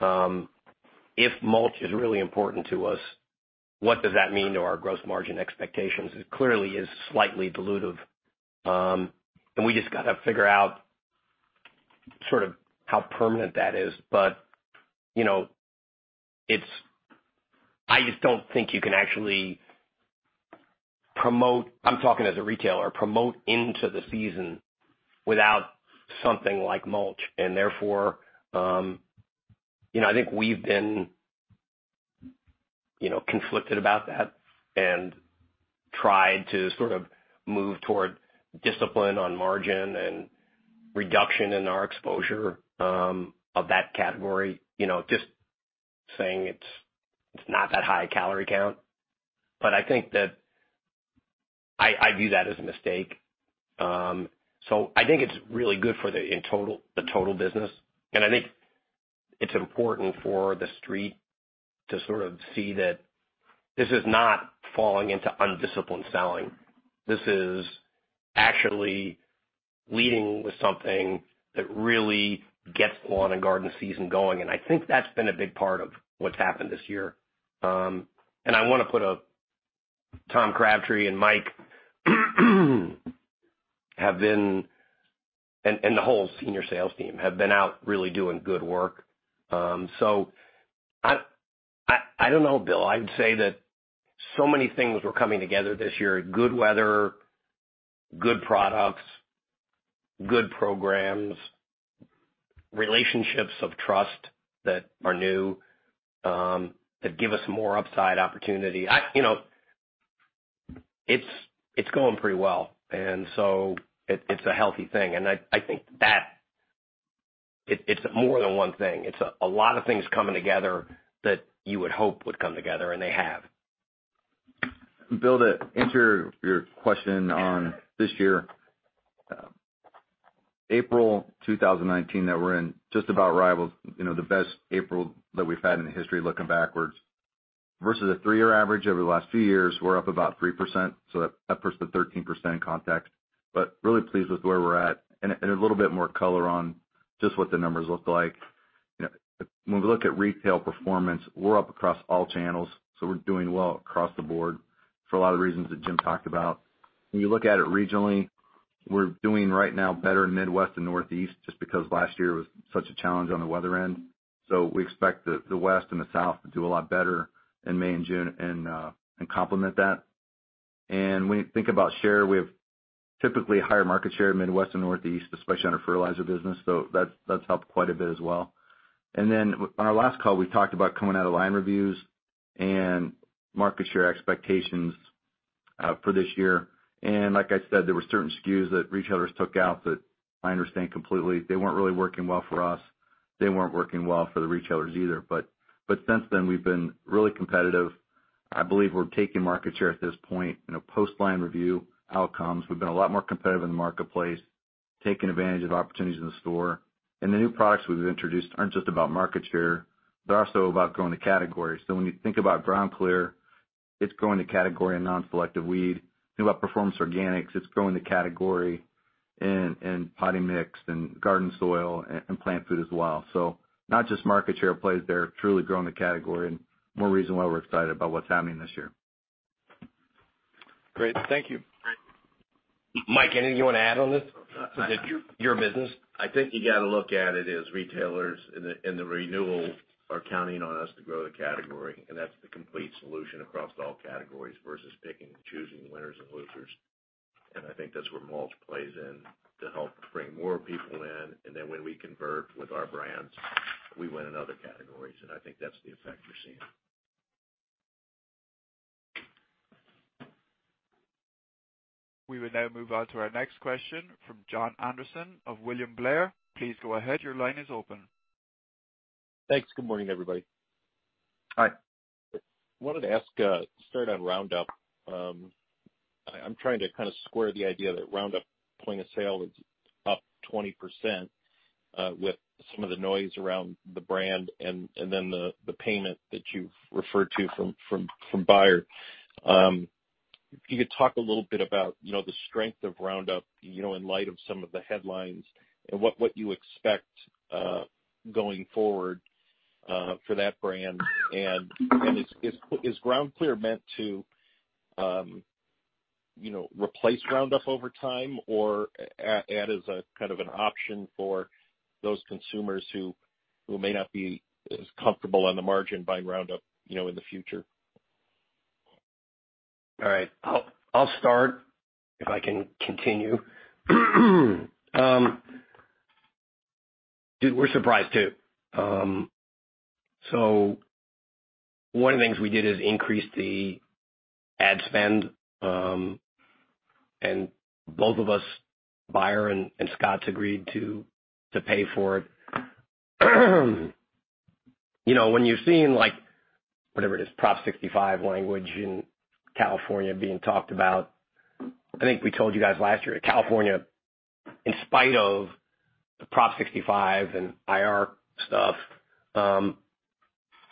If mulch is really important to us? What does that mean, to our gross margin expectations? It clearly is slightly dilutive. We just got to figure out, sort of how permanent that is. But you know, I just don't think you can actually promote. I'm talking as a retailer, promote into the season. Without something like mulch. Therefore, I think we've been conflicted about that, and tried to sort of move. Toward discipline on margin, and reduction in our exposure of that category. Just saying, it's not that high a calorie count. I think, that I view that as a mistake. I think, it's really good for the total business. And I think, it's important for the street, to sort of see that. This is not falling into undisciplined selling. This is actually leading with something. That really gets lawn, and garden season going. I think that's been a big part of, what's happened this year. I want to put up Tom Crabtree, and Mike. And the whole senior sales team, have been out really doing good work. I don't know, Bill, I'd say that so many things, were coming together this year. Good weather, good products, good programs. Relationships of trust that are new, that give us more upside opportunity. It's going pretty well. It's a healthy thing. I think that, it's more than one thing. It's a lot of things coming together, that you would hope would come together, and they have. Bill, to answer your question on this year. April 2019 that we're in just about rivals. The best April, that we've had in the history looking backwards. Versus a three-year average over the last few years, we're up about 3%. So, that puts the 13% in context. Really pleased with where we're at, and a little bit more color on just. What the numbers look like. When we look at retail performance, we're up across all channels. So, we're doing well across the board, for a lot of reasons that Jim talked about. When you look at regionally, we're doing right now. Better than what in Northeast, it's just because last year. Such a challenge in the weather land. So, we expect the West, and the South to do a lot better. In May and June, and complement that. When you think about share, we have typically a higher market share in Midwest, and Northeast. Especially, on our fertilizer business. That's helped quite a bit as well. On our last call, we talked about coming out of line reviews. And market share expectations for this year. Like I said, there were certain SKUs, that retailers took out that I understand completely. They weren't really, working well for us. They weren't working well, for the retailers either. Since then, we've been really competitive. I believe we're taking market share at this point, in a post-line review outcomes. We've been a lot more competitive in the marketplace. Taking advantage of opportunities in the store. The new products, we've introduced aren't just about market share. They're also about growing the category. When you think about GroundClear. It's growing the category in non-selective weed. Think about Performance Organics, it's growing the category. In potting mix, and garden soil, and plant food as well. Not just market share plays there, truly growing the category. And more reason why we're excited, about what's happening this year. Great, thank you. Mike, anything you want to add on this? Your business? I think, you got to look at it as retailers. In the renewal are counting on us, to grow the category. And that's the complete solution, across all categories versus picking. Choosing the winners, and losers. I think that's where mulch plays in, to help bring more people in. Then when we convert with our brands, we win in other categories. And I think, that's the effect we're seeing. We will now move on to our next question, from Jon Andersen of William Blair. Please go ahead. Your line is open. Thanks. Good morning, everybody. Hi. I wanted to ask, start on Roundup. I'm trying to kind of square the idea, that Roundup point of sale is up 20%. With some of the noise around the brand, and then the payment. That you've referred to from Bayer. If you could talk a little bit about, the strength of Roundup? In light of some of the headlines, and what you expect going forward for that brand? Is GroundClear meant to replace Roundup over time? Or add as a kind of an option, for those consumers. Who may not be as comfortable, on the margin buying Roundup in the future? All right. I'll start, if I can continue. Dude, we're surprised, too. One of the things we did is increase the ad spend. And both of us, Bayer and Scotts, agreed to pay for it. When you've seen, whatever it is, Proposition 65 language in California being talked about. I think, we told you guys last year that California. In spite of the Proposition 65, and IR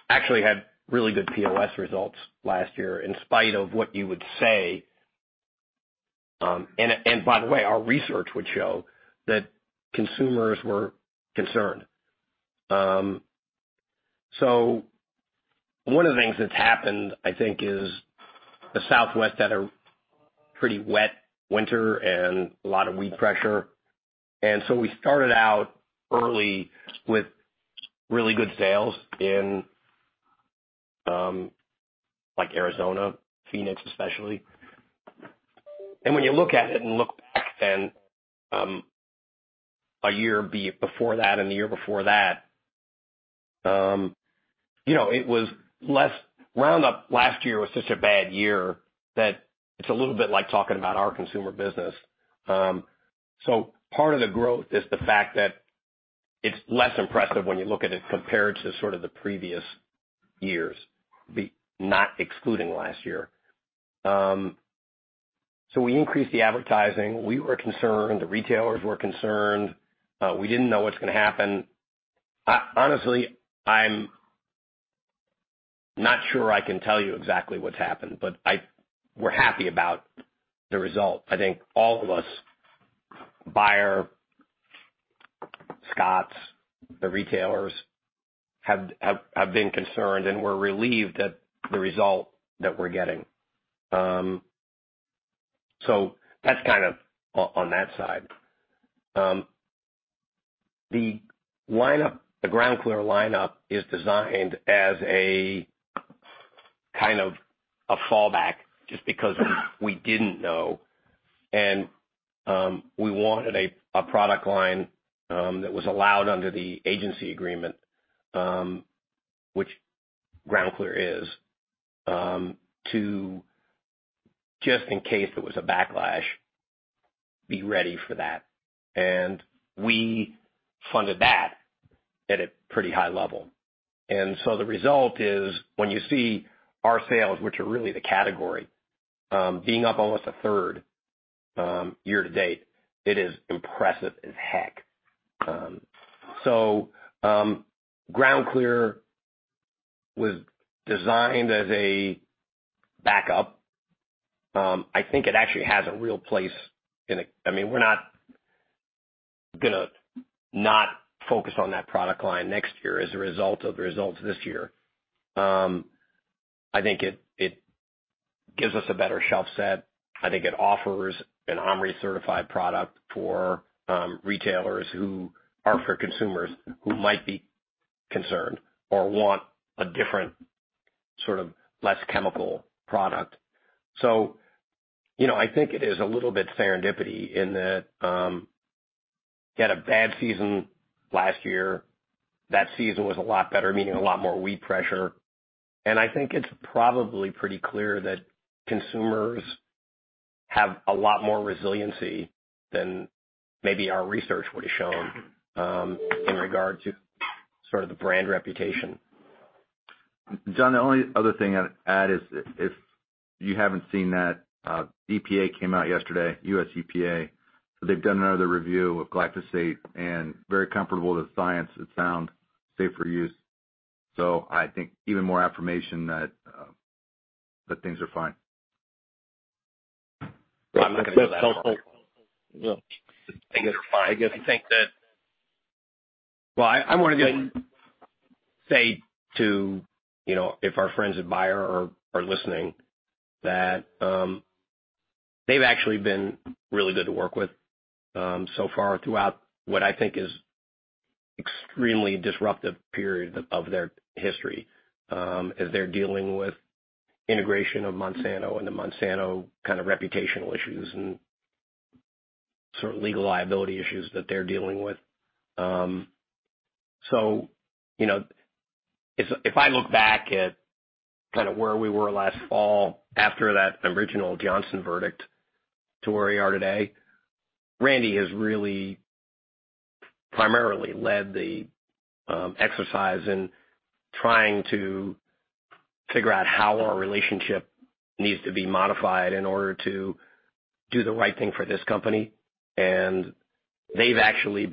stuff. Actually, had really good POS results last year. In spite of what you would say. By the way, our research would show, that consumers were concerned. One of the things that's happened. I think, is the Southwest had a pretty wet winter, and a lot of weed pressure. We started out early, with really good sales in Arizona, Phoenix especially. When you look at it, and look back then a year before that, and the year before that. You know, it was blessed. Roundup last year, was such a bad year. That it's a little bit, like talking about our consumer business. Part of the growth is the fact, that it's less impressive. When you look at it compared, to sort of the previous years, not excluding last year. We increased the advertising. We were concerned, the retailers were concerned. We didn't know, what's going to happen. Honestly, I'm not sure I can tell you exactly, what's happened. But we're happy about the result. I think all of us, Bayer, Scotts, the retailers. Have been concerned, and we're relieved at the result that we're getting. That's kind of on that side. The GroundClear lineup is designed, as a kind of a fallback. Just because we didn't know, and we wanted a product line. That was allowed under the agency agreement. Which GroundClear is, to just in case. There was a backlash, be ready for that. We funded that, at a pretty high level. The result is, when you see our sales. Which are really the category, being up almost a third year-to-date. It is impressive as heck. GroundClear was designed as a backup. I think, it actually has a real place. I mean, we're not gonna not focus on that product line next year. As a result of the results this year. I think it gives us, a better shelf set. I think, it offers an OMRI-certified product for retailers. Who are for consumers, who might be concerned. Or want a different, sort of less chemical product. I think it is a little bit serendipity in that, you had a bad season last year. That season was a lot better, meaning a lot more weed pressure. I think it's probably pretty clear, that consumers have a lot more resiliency. Than maybe our research would have shown, in regard to sort of the brand reputation. Jon, the only other thing I'd add is. If you haven't seen that, EPA came out yesterday, USEPA. They've done another review of glyphosate, and very comfortable with the science. It's found safe for use. I think, even more affirmation that things are fine. I'm not gonna go that far. Things are fine. I wanted to say, if our friends at Bayer are listening. That they've actually been really good, to work with so far throughout. What I think, is extremely disruptive period of their history. As they're dealing with integration of Monsanto. And the Monsanto kind of reputational issues, and sort of legal liability issues, that they're dealing with. If I look back at kind of, where we were last fall? After that original Johnson verdict, to where we are today. Randy has really, primarily led the exercise, in trying to figure out. How our relationship needs to be modified. In order to do the right thing for this company. They've actually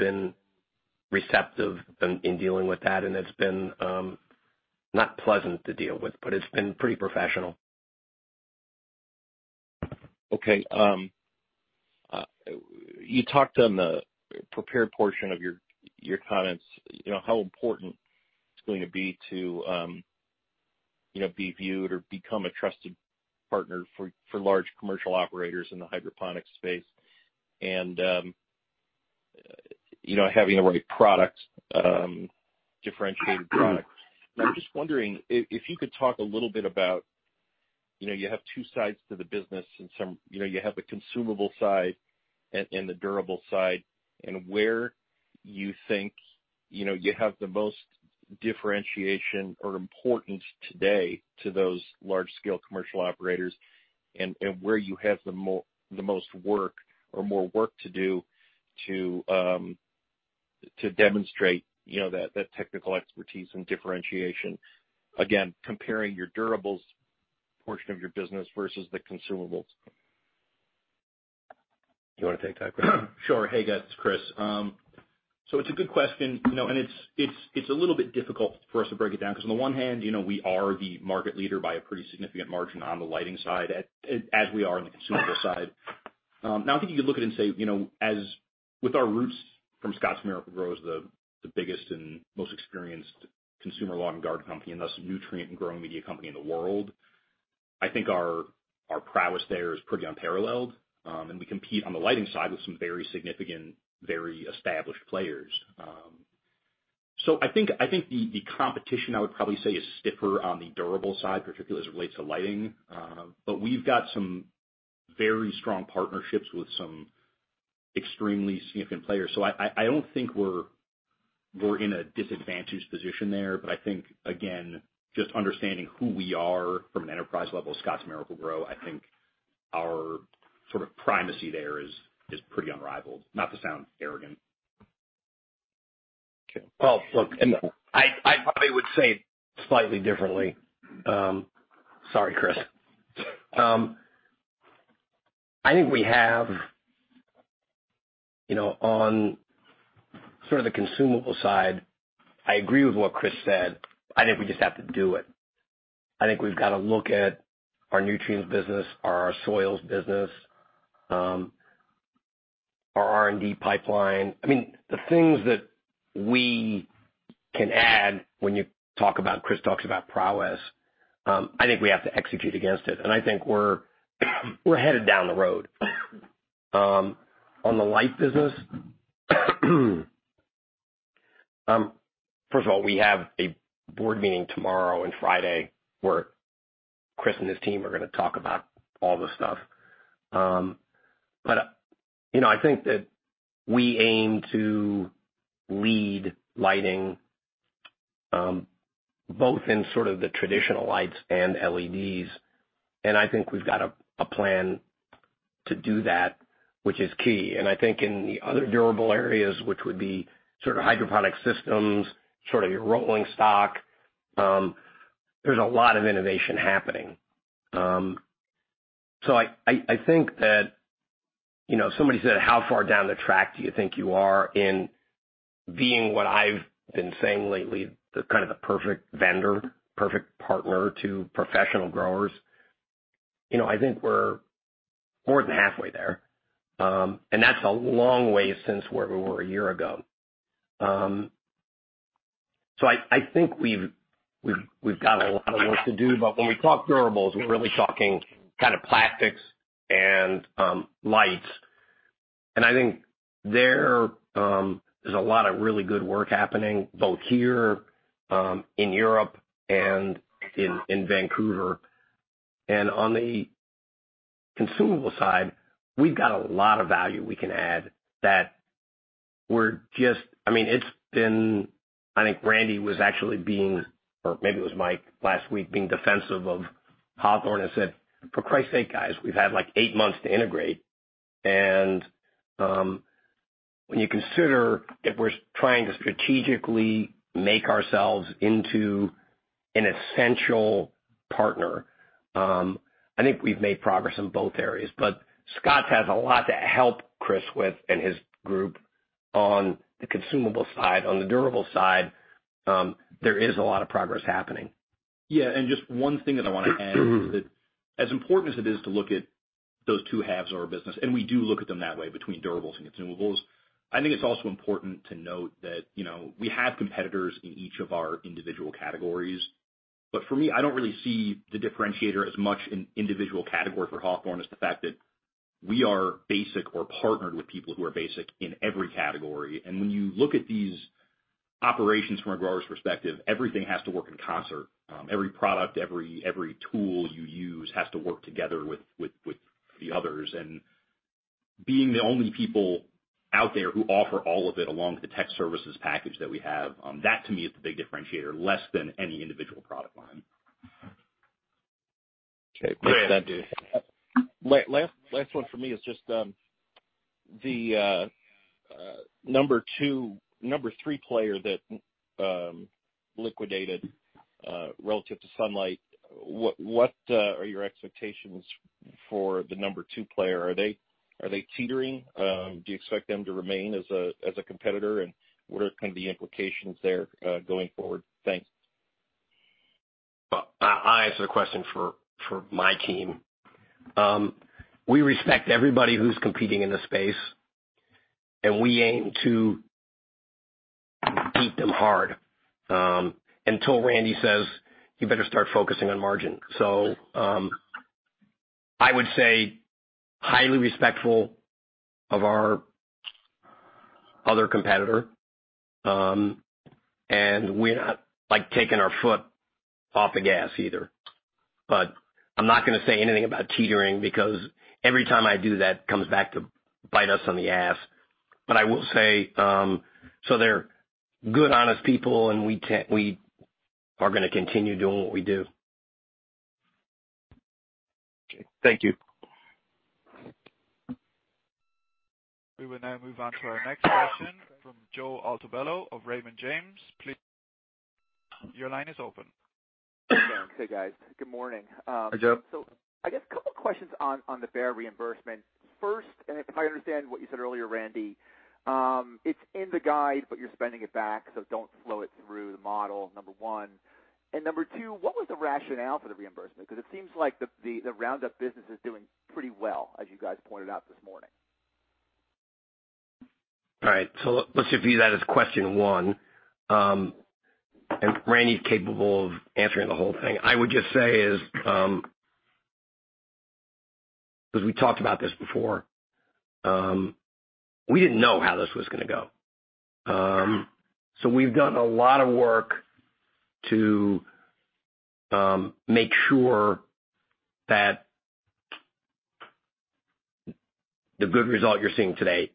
been receptive in dealing with that. And it's been not pleasant to deal with, but it's been pretty professional. Okay. You talked on the prepared portion of your comments. How important it's going to be, to be viewed or become a trusted partner? For large commercial operators, in the hydroponics space. And having the right product, differentiated product. I'm just wondering, if you could talk a little bit about? You have two sides to the business, you have the consumable side. And the durable side, and where you think? You have the most differentiation or importance today? To those large-scale commercial operators, and where you have the most work, or more work to do? To demonstrate that technical expertise, and differentiation. Again, comparing your durables portion of your business, versus the consumables. Do you want to take that, Chris? Sure. Hey, guys, it's Chris. It's a good question. It's a little bit difficult for us, to break it down. Because on the one hand, we are the market leader. By a pretty significant margin on the lighting side, as we are on the consumables side. I think you could look at it, and say. As with our roots from Scotts Miracle-Gro as the biggest. And most experienced consumer lawn, and garden company. And thus nutrient, and growing media company in the world. I think our prowess there is pretty unparalleled. And we compete on the lighting side, with some very significant, very established players. I think the competition I would probably say, is stiffer on the durable side. Particularly, as it relates to lighting. We've got some very strong partnerships, with some extremely significant players. I don't think, we're in a disadvantaged position there. But I think, again, just understanding who we are? From an enterprise level, Scotts Miracle-Gro. I think our sort of, primacy there is pretty unrivaled. Not to sound arrogant. Okay. Well, look, I probably would say it slightly differently. Sorry, Chris. I think we have on sort of the consumable side. I agree with what Chris said, I think we just have to do it. I think, we've got to look at our nutrients business, our soils business, our R&D pipeline. I mean, the things that we can add. When you talk about, Chris talks about prowess. I think, we have to execute against it. And I think, we're headed down the road. On the light business, first of all, we have a board meeting tomorrow, and Friday. Where Chris, and his team are going to talk about all this stuff. I think, that we aim to lead lighting. Both in sort of the traditional lights, and LEDs. And I think, we've got a plan to do that, which is key. I think in the other durable areas, which would be sort of hydroponic systems. Sort of your rolling stock, there's a lot of innovation happening. I think that, somebody said, "How far down the track, do you think you are in being?" What I've been saying lately, "kind of the perfect vendor, perfect partner to professional growers?" I think we're more than halfway there. That's a long way since, where we were a year ago. I think, we've got a lot of work to do. But when we talk durables, we're really talking kind of plastics, and lights. I think there is a lot of really good work happening. Both here, in Europe, and in Vancouver. On the consumable side, we've got a lot of value we can add. That I think, Randy was actually being, or maybe it was Mike last week. Being defensive of Hawthorne, and said, "For Christ's sake, guys, we've had eight months to integrate." When you consider that, we're trying to strategically. Make ourselves into an essential partner, I think we've made progress in both areas. Scotts has a lot to help Chris with, and his group on the consumable side. On the durable side, there is a lot of progress happening. Just one thing that I want to add is that, as important as it is to look at. Those two halves of our business, and we do look at them that way. Between durables, and consumables. I think, it's also important to note that. We have competitors, in each of our individual categories. For me, I don't really see the differentiator, as much in individual category. For Hawthorne as the fact that, we are basic or partnered with people. Who are basic in every category. When you look at these operations, from a grower's perspective, everything has to work in concert. Every product, every tool you use has, to work together with the others. Being the only people out there, who offer all of it along. With the tech services package that we have, that to me is the big differentiator. Less than any individual product line. Okay. Great. Last one from me is just the number two, number three player. That liquidated relative to Sunlight Supply. What are your expectations, for the number two player? Are they teetering? Do you expect them to remain, as a competitor? And what are kind of the implications there going forward? Thanks. I'll answer the question for my team. We respect everybody, who's competing in this space. And we aim to, beat them hard until Randy says, "You better start focusing on margin." I would say highly respectful of our other competitor, and we're not like taking our foot off the gas either. I'm not gonna say anything about teetering, because every time I do that. It comes back, to bite us on the ass. I will say, they're good, honest people, and we are gonna continue doing what we do. Okay, thank you. We will now move on to our next question, from Joe Altobello of Raymond James. Please, your line is open. Hey guys. Good morning. Hi, Joe. I guess a couple questions on, the fair reimbursement. First, if I understand what you said earlier, Randy? It's in the guide, but you're spending it back. So don't flow it through the model, number one. Number two, what was the rationale for the reimbursement? It seems like the Roundup business is doing pretty well, as you guys pointed out this morning. All right. Let's just view that, as question one. Randy's capable of answering the whole thing. I would just say, Because we talked about this before. We didn't know, how this was going to go? We've done a lot of work, to make sure that. The good result you're seeing today,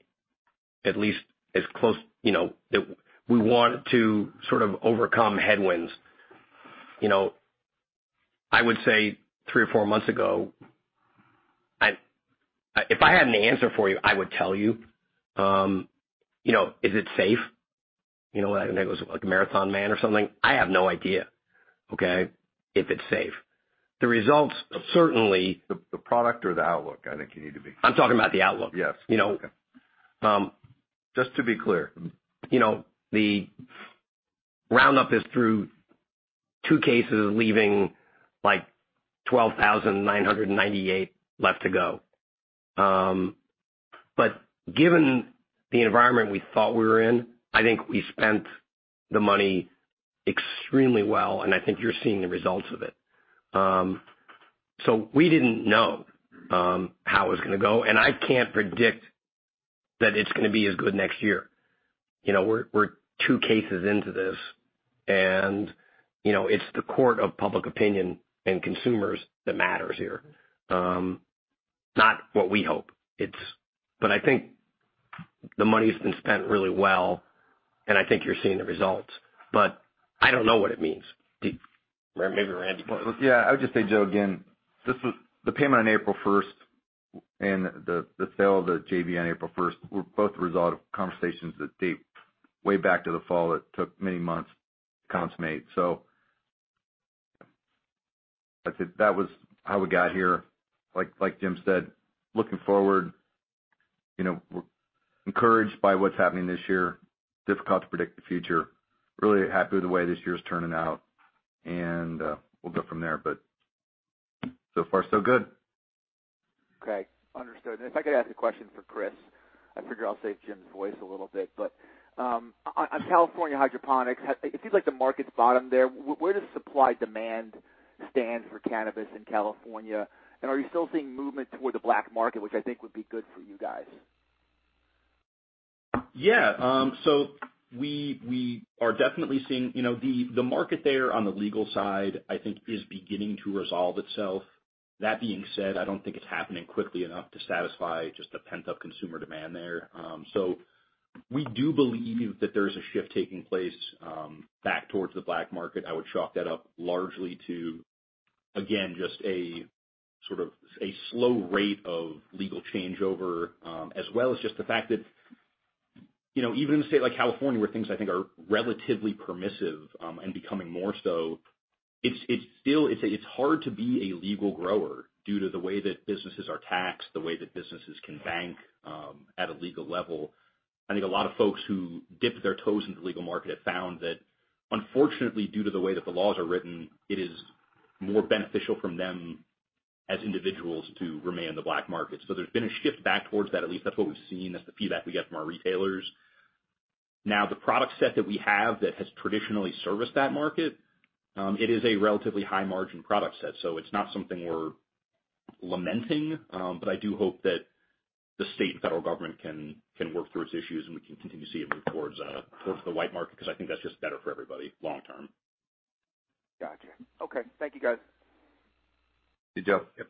at least is close. We want to sort of overcome headwinds. I would say three or four months ago, if I had an answer for you. I would tell you, you know, is it safe? What I think it was, like a marathon man or something. I have no idea, okay, if it's safe. The results certainly. The product or the outlook, I think you need to be clear. I'm talking about the outlook. Yes, okay. The Roundup is through two cases, leaving 12,998 left to go. Given the environment we thought we were in. I think, we spent the money extremely well, and I think you're seeing the results of it. We didn't know, how it was going to go. And I can't predict, that it's going to be as good next year. We're two cases into this, and it's the court of public opinion. And consumers that matters here. Not what we hope. I think the money's been spent really well, and I think you're seeing the results. I don't know what it means, date. Or maybe Randy. Yeah. I would just say, Joe, again, the payment on April 1st. And the sale of the JV on April 1st, were both the result of conversations that date. Way back to the fall, that took many months to consummate. That was how we got here. Like Jim said, looking forward, we're encouraged by what's happening this year. Difficult to predict the future. Really happy with the way this year's turning out. And we'll go from there, but so far so good. Okay, understood. If I could ask a question for Chris, I figure I'll save Jim's voice a little bit. On California Hydroponics, it seems like the market's bottomed there. Where does supply-demand, stand for cannabis in California? Are you still seeing movement, toward the black market? Which I think, would be good for you guys? Yeah. We are definitely seeing, the market there on the legal side. I think is beginning to resolve itself. That being said, I don't think it's happening quickly enough. To satisfy, just the pent-up consumer demand there. We do believe, that there is a shift taking place. Back towards the black market. I would chalk, that up largely to. Again, just a sort of slow rate of legal changeover. As well as just the fact, that even in a state like California. Where things I think are relatively permissive, and becoming more so. It's hard to be a legal grower, due to the way that businesses are taxed. The way that businesses can bank, at a legal level. I think a lot of folks who dip their toes into, the legal market have found that. Unfortunately, due to the way that the laws are written. It is more beneficial from them, as individuals to remain in the black market. There's been a shift back towards that. At least that's, what we've seen. That's the feedback we get from our retailers. The product set that we have, that has traditionally serviced that market. It is a relatively high margin product set. It's not something we're lamenting. I do hope that the state, and federal government can work through its issues. And we can continue to see it move, towards the white market. Because I think, that's just better for everybody long term. Gotcha, okay. Thank you, guys. Thank you, Joe. Yep.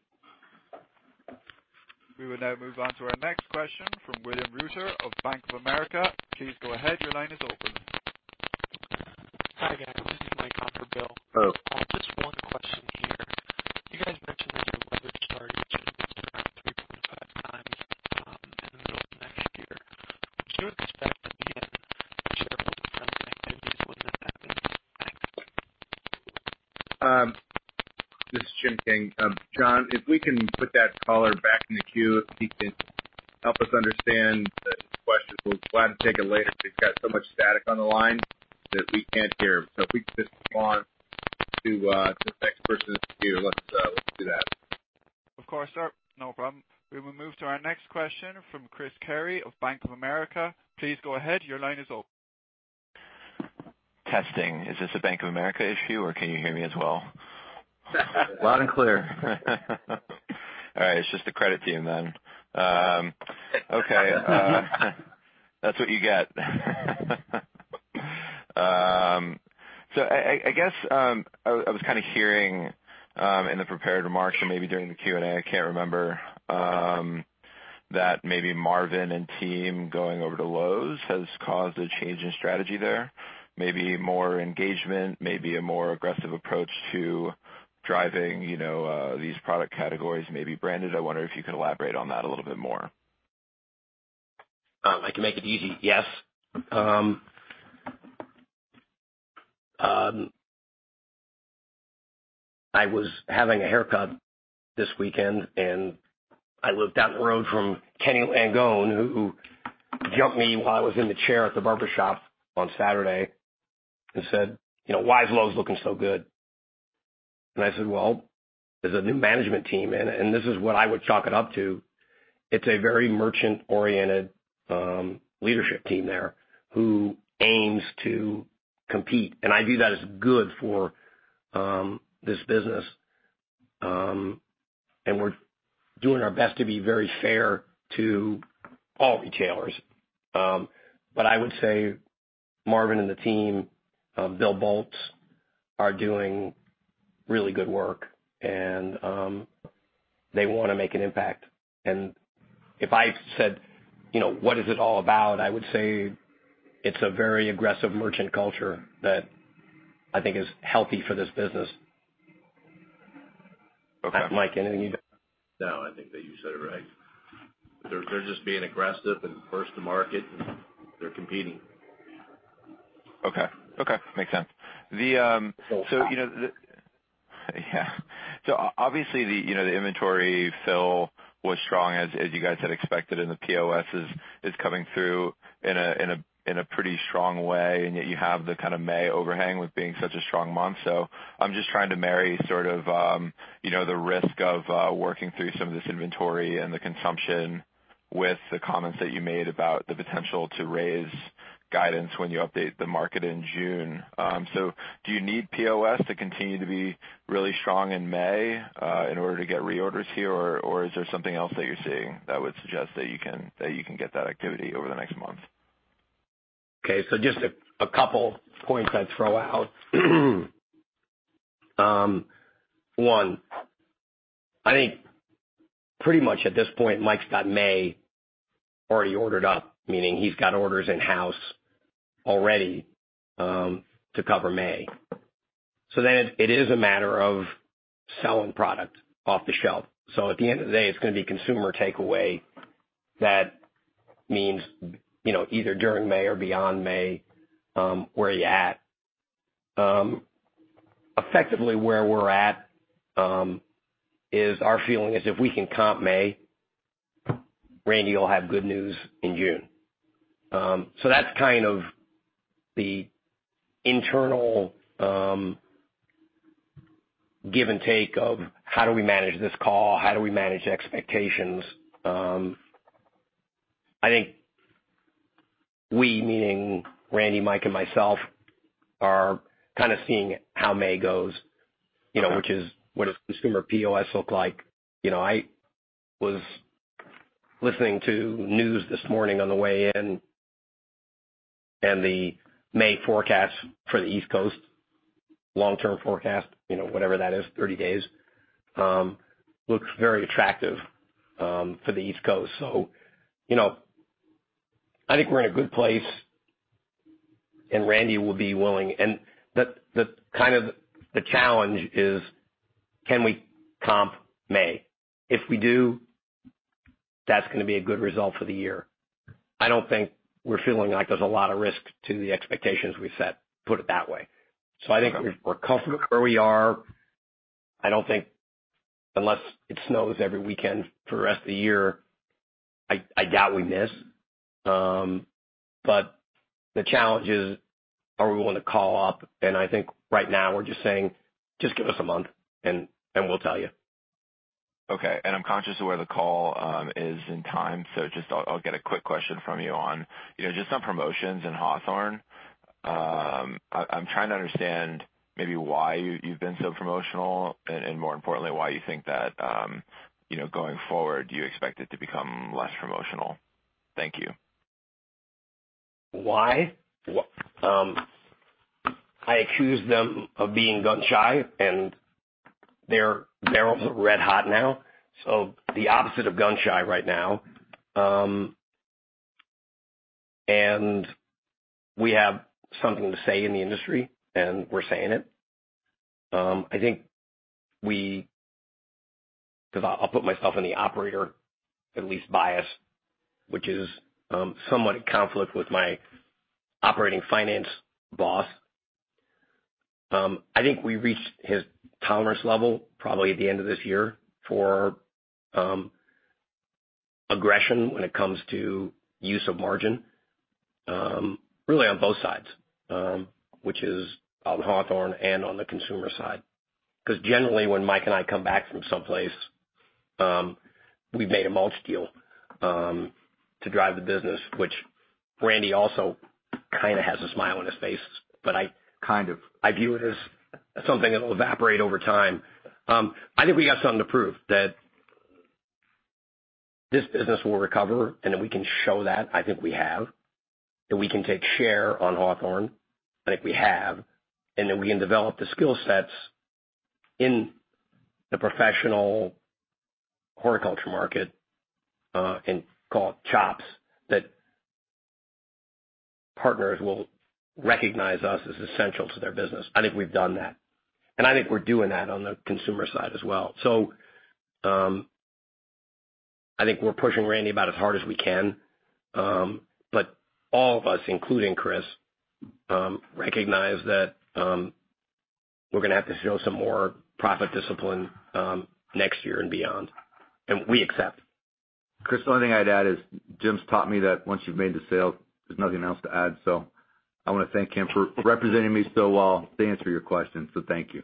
We will now move on to our next question, from William Reuter of Bank of America. Please go ahead. Your line is open. Hi, guys. This is Michael for Will. Hello. Just one question here. You guys mentioned, that your leverage target, should be around 3.5x in the middle of next year. Given the strength at the end, are you sure about the strength, and it will be less than that then? Thanks. This is Jim King. John, if we can put that caller back in the queue. If he can help us understand the question, we're glad to take it later. We've got so much static on the line, that we can't hear him. If we could just move on, to the next person in the queue, let's do that. Of course, sir, no problem. We will move to our next question, from Chris Carey of Bank of America. Please go ahead. Your line is open. Testing. Is this a Bank of America issue, or can you hear me as well? Loud and clear. All right. It's just the credit to you then. Okay, that's what you get. I guess, I was kind of hearing, in the prepared remarks or maybe during the Q&A. I can't remember, that maybe Marvin, and team going over to Lowe's. Has caused a change in strategy there. Maybe more engagement, maybe a more aggressive approach. To driving these product categories, maybe branded. I wonder, if you could elaborate on that a little bit more? I can make it easy. Yes. I was having a haircut this weekend, I live down the road from Ken Langone. Who jumped me while I was in the chair, at the barbershop on Saturday, and said, "Why is Lowe's looking so good?" I said, "Well, there's a new management team in it." This is what I would chalk it up to. It's a very merchant-oriented leadership team there. Who aims to compete, and I view that as good for this business. We're doing our best, to be very fair to all retailers. I would say Marvin, and the team, Bill Boltz, are doing really good work. And they want to make an impact. If I said, "What is it all about?" I would say it's a very aggressive merchant culture, that I think is healthy for this business. Okay. Mike, anything you'd add? No, I think that you said it right. They're just being aggressive, and first to market, and they're competing. Okay, makes sense. Full stop. Yeah. Obviously, the inventory fill was strong, as you guys had expected. The POS is coming through in a pretty strong way. Yet you have the kind of May overhang, with being such a strong month. I'm just trying to marry sort of, the risk of working. Through some of this inventory, and the consumption. With the comments that you made, about the potential to raise guidance. When you update the market in June? Do you need POS to continue, to be really strong in May? In order to get reorders here? Is there something else, that you're seeing. That would suggest, that you can get that activity over the next month? Okay, just a couple points I'd throw out. One, I think pretty much at this point. Mike's got May already ordered up, meaning he's got orders in-house already to cover May. Then it is a matter of selling product off the shelf. At the end of the day, it's going to be consumer takeaway. That means, either during May or beyond May, where you're at. Effectively, where we're at is our feeling is if we can comp May. Randy will have good news in June. That's kind of the internal give, and take of how do we manage this call? How do we manage the expectations? I think we, meaning Randy, Mike, and myself, are kind of seeing how May goes? Okay. Which is, what does consumer POS look like? I was listening, to news this morning on the way in. The May forecast for the East Coast, long-term forecast. Whatever that is, 30 days, looks very attractive for the East Coast. I think, we're in a good place. The challenge is, can we comp May? If we do, that's going to be a good result for the year. I don't think we're feeling like, there's a lot of risk, to the expectations we've set, put it that way. Okay. I think, we're comfortable where we are. I don't think, unless it snows every weekend. For the rest of the year, I doubt we miss. The challenge is, are we willing to call up? I think right now we're just saying, "Just give us a month, and we'll tell you. Okay. I'm conscious of, where the call is in time? So, just I'll get a quick question from you on, just on promotions in Hawthorne. I'm trying to understand, maybe why you've been so promotional? And more importantly, why you think that going forward? You expect it to become less promotional. Thank you. Why? I accuse them of being gun-shy, and they're also red hot now. So the opposite of gun-shy right now. We have something to say in the industry, and we're saying it. I'll put myself in the operator, at least bias. Which is somewhat at conflict, with my operating finance boss. I think we've reached his tolerance level. Probably, at the end of this year for aggression. When it comes to use of margin, really on both sides. Which is on Hawthorne, and on the consumer side. Generally, when Mike, and I come back from someplace. We've made a mulch deal, to drive the business. Which Randy also kind of, has a smile on his face. Kind of. I view it as something, that'll evaporate over time. I think, we got something to prove. That this business will recover, and that we can show that. I think we have. That we can take share on Hawthorne. I think we have. That we can develop the skill sets, in the professional horticulture market. And call it chops, that partners will recognize us as essential to their business. I think, we've done that. I think, we're doing that on the consumer side as well. I think, we're pushing Randy about as hard as we can. All of us, including Chris, recognize that we're gonna have, to show some more profit discipline next year, and beyond. We accept. Chris, the only thing I'd add is, Jim's taught me. That once you've made the sale, there's nothing else to add. I want to thank him, for representing me so well, to answer your question. Thank you.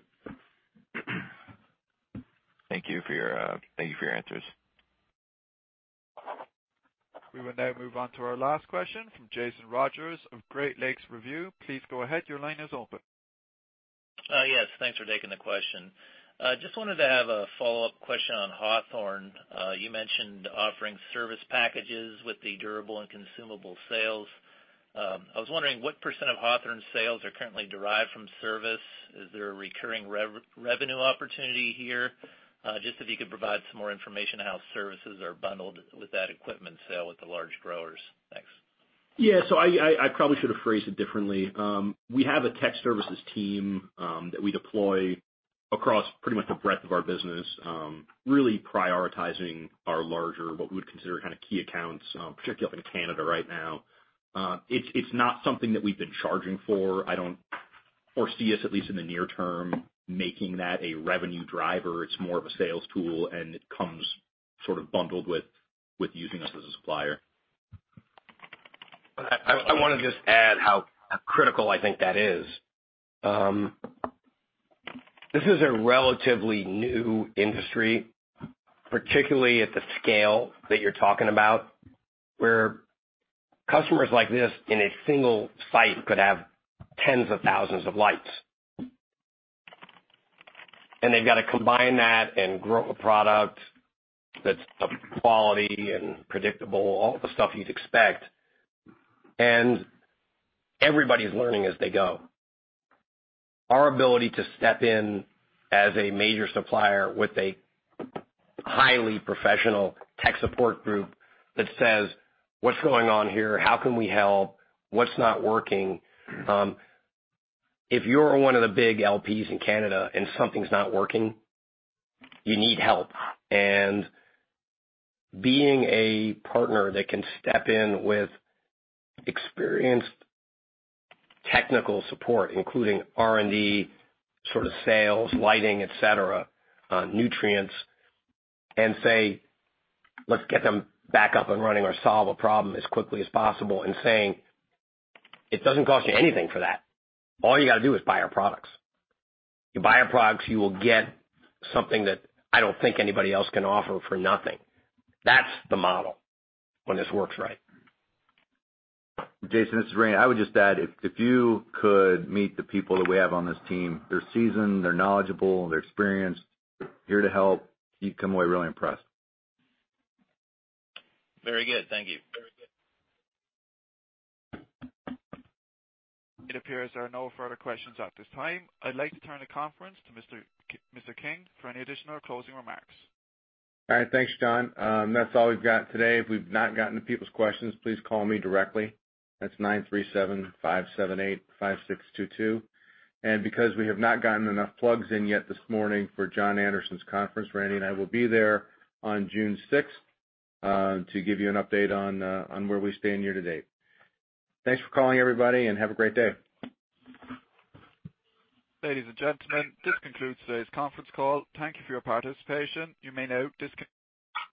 Thank you for your answers. We will now move on to our last question, from Jason Rodgers of Great Lakes Review. Please go ahead. Your line is open. Yes, thanks for taking the question. Just wanted to have a follow-up question on Hawthorne. You mentioned offering service packages, with the durable, and consumable sales. I was wondering, what percent of Hawthorne's sales are currently derived from service? Is there a recurring revenue opportunity here? Just if you could provide, some more information on how services are bundled? With that equipment sale, with the large growers. Thanks. Yeah. I probably should have phrased it differently. We have a tech services team, that we deploy across pretty much the breadth of our business. Really prioritizing our larger, what we would consider key accounts. Particularly, up in Canada right now. It's not something, that we've been charging for. I don't foresee us, at least in the near term. Making that a revenue driver. It's more of a sales tool, and it comes sort of, bundled with using us as a supplier. I want to just add, how critical I think that is? This is a relatively new industry, particularly at the scale that you're talking about. Where customers like this, in a single site could have 10s of 1000s of lights. They've got to combine that, and grow a product. That's of quality, and predictable, all the stuff you'd expect. Everybody's learning as they go. Our ability to step in, as a major supplier. With a highly professional tech support group, that says, "What's going on here? How can we help? What's not working?" If you're one of the big LPs in Canada, and something's not working, you need help. Being a partner, that can step in, with experienced technical support. Including R&D, sort of sales, lighting, et cetera, nutrients, and say, "Let's get them back up, and running or solve a problem, as quickly as possible," and saying, "It doesn't cost you anything for that. All you got to do is buy our products. You buy our products, you will get something. That I don't think, anybody else can offer for nothing." That's the model, when this works right. Jason, this is Randy. I would just add, if you could meet the people, that we have on this team. They're seasoned, they're knowledgeable, they're experienced. Here to help, you'd come away really impressed. Very good, thank you. It appears there are no further questions at this time. I'd like to turn the conference, to Mr. King for any additional closing remarks. All right, thanks, John. That's all we've got today. If we've not gotten to people's questions, please call me directly. That's 937-578-5622. Because we have not gotten enough plugs in, yet this morning for Jon Andersen's conference. Randy and I will be there on June 6th, to give you an update on. Where we stand year-to-date. Thanks for calling, everybody, and have a great day. Ladies and gentlemen, this concludes today's conference call. Thank you for your participation. You may now disconnect.